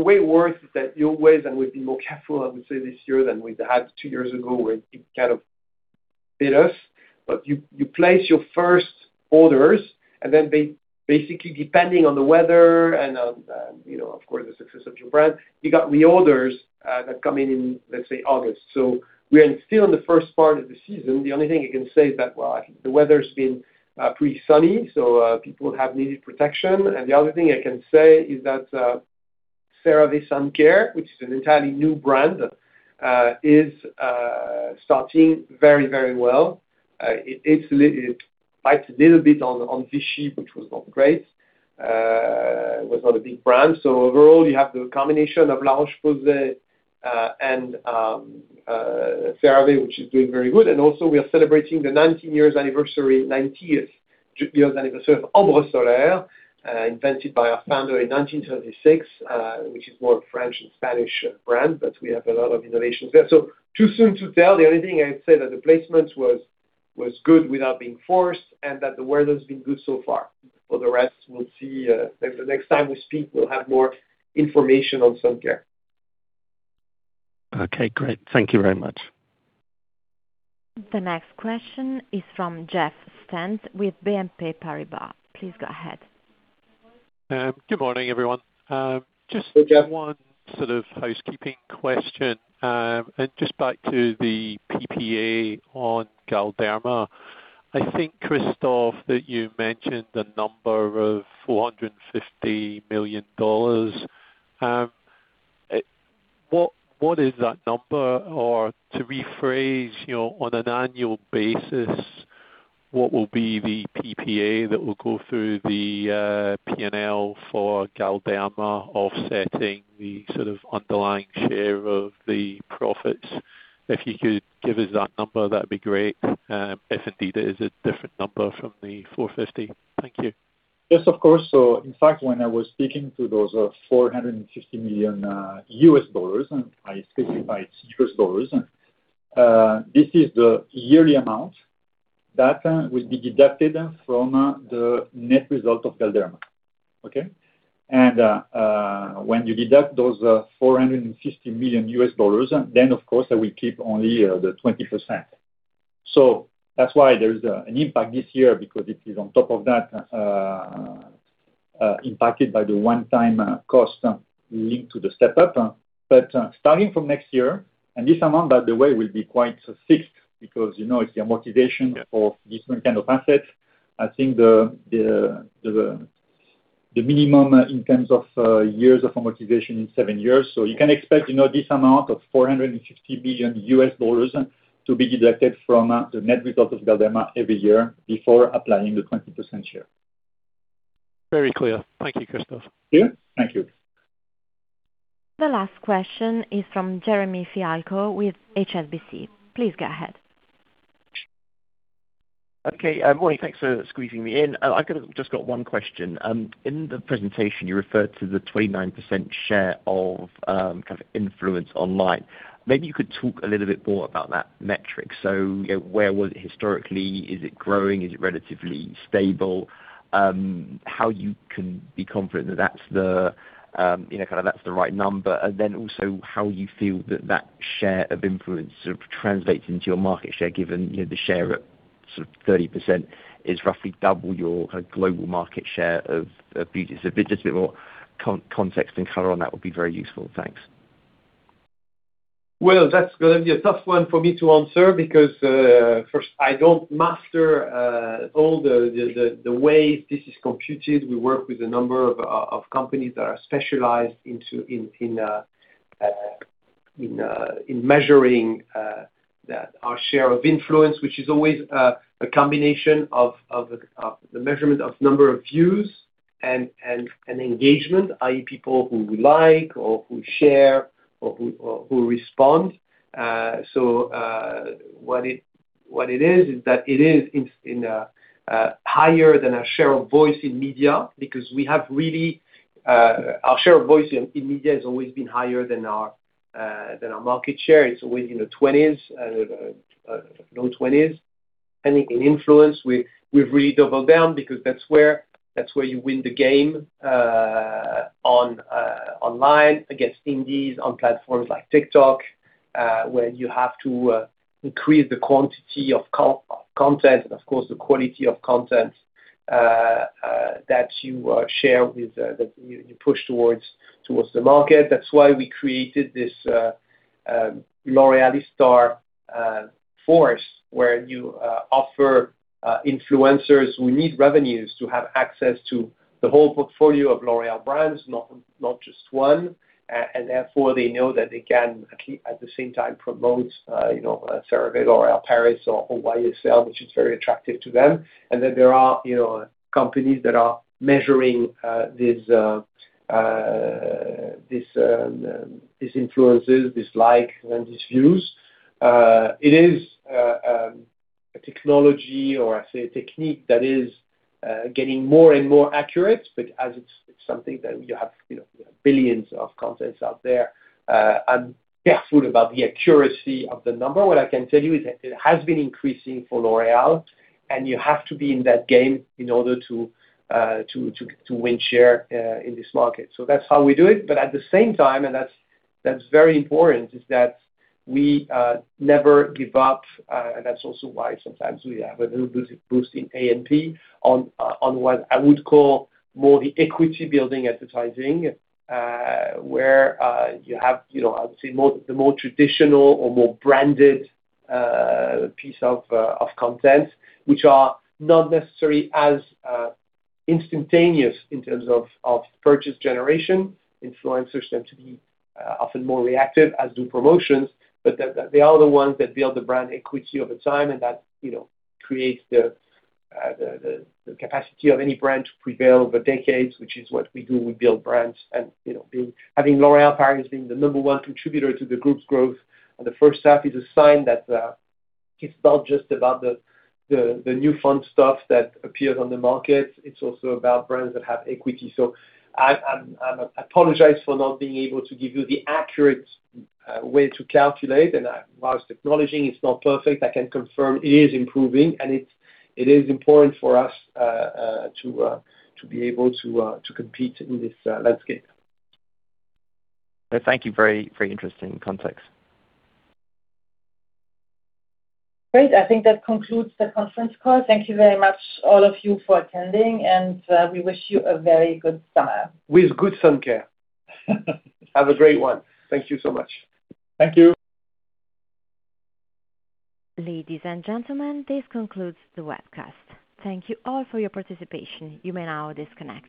way it works is that you always and will be more careful, I would say this year than we had two years ago, where it kind of bit us. You place your first orders and then basically depending on the weather and of course the success of your brand, you got reorders that come in, let's say August. We are still in the first part of the season. The only thing I can say is that, well, the weather's been pretty sunny, so people have needed protection. The other thing I can say is that CeraVe Sun Care, which is an entirely new brand, is starting very well. It's a little bit on Vichy, which was not great. Was not a big brand. Overall, you have the combination of La Roche-Posay and CeraVe, which is doing very good. Also we are celebrating the 90th years anniversary of Ambre Solaire, invented by our founder in 1936, which is more French and Spanish brand, but we have a lot of innovations there. Too soon to tell. The only thing I'd say that the placement was good without being forced and that the weather's been good so far. For the rest, we'll see. The next time we speak, we'll have more information on sun care. Okay, great. Thank you very much. The next question is from Jeff Stent with BNP Paribas. Please go ahead. Good morning, everyone. Good, Jeff. Just one sort of housekeeping question, and just back to the PPA on Galderma. I think, Christophe, that you mentioned the number of $450 million. What is that number? Or to rephrase, on an annual basis, what will be the PPA that will go through the P&L for Galderma offsetting the sort of underlying share of the profits? If you could give us that number, that'd be great, if indeed it is a different number from the $450 million. Thank you. Yes, of course. In fact, when I was speaking to those $450 million, and I specified it's U.S. dollars, this is the yearly amount that will be deducted from the net result of Galderma. Okay? When you deduct those $450 million U.S. dollars, of course I will keep only the 20%. That's why there's an impact this year because it is on top of that impacted by the one-time cost linked to the step-up. Starting from next year, this amount, by the way, will be quite fixed because it's the amortization for this kind of asset. I think the minimum in terms of years of amortization is seven years. You can expect this amount of $450 million U.S. dollars to be deducted from the net result of Galderma every year before applying the 20% share. Very clear. Thank you, Christophe. Yeah, thank you. The last question is from Jeremy Fialko with HSBC. Please go ahead. Morning, thanks for squeezing me in. I have just got one question. In the presentation, you referred to the 29% share of kind of influence online. Maybe you could talk a little bit more about that metric. Where was it historically? Is it growing? Is it relatively stable? How you can be confident that that's the right number. Also how you feel that that share of influence sort of translates into your market share, given the share at sort of 30% is roughly double your kind of global market share of beauty. Just a bit more context and color on that would be very useful. Thanks. That's going to be a tough one for me to answer because first, I don't master all the way this is computed. We work with a number of companies that are specialized in measuring our share of influence, which is always a combination of the measurement of number of views and engagement, i.e., people who like or who share or who respond. What it is that it is higher than our share of voice in media because our share of voice in media has always been higher than our market share. It's always in the low 20s. In influence, we've really double down because that's where you win the game online against indies on platforms like TikTok, where you have to increase the quantity of content and of course the quality of content that you share, that you push towards the market. That's why we created this L'Oréalistar Force, where you offer influencers who need revenues to have access to the whole portfolio of L'Oréal brands, not just one, and therefore they know that they can at the same time promote CeraVe or L'Oréal Paris or YSL, which is very attractive to them. There are companies that are measuring these influences, these likes, and these views. It is a technology, or I say a technique, that is getting more and more accurate, but as it's something that you have billions of contents out there, I'm careful about the accuracy of the number. What I can tell you is that it has been increasing for L'Oréal, and you have to be in that game in order to win share in this market. That's how we do it. At the same time, and that's very important, is that we never give up. That's also why sometimes we have a little boost in A&P on what I would call more the equity building advertising, where you have, I would say the more traditional or more branded piece of content, which are not necessarily as instantaneous in terms of purchase generation. Influencers tend to be often more reactive, as do promotions, but they are the ones that build the brand equity over time, and that creates the capacity of any brand to prevail over decades, which is what we do. We build brands, and having L'Oréal Paris being the number one contributor to the group's growth in the first half is a sign that it's not just about the new fun stuff that appears on the market. It's also about brands that have equity. I apologize for not being able to give you the accurate way to calculate, and while acknowledging it's not perfect, I can confirm it is improving, and it is important for us to be able to compete in this landscape. Thank you. Very interesting context. Great. I think that concludes the conference call. Thank you very much all of you for attending, and we wish you a very good summer. With good sun care. Have a great one. Thank you so much. Thank you. Ladies and gentlemen, this concludes the webcast. Thank you all for your participation. You may now disconnect.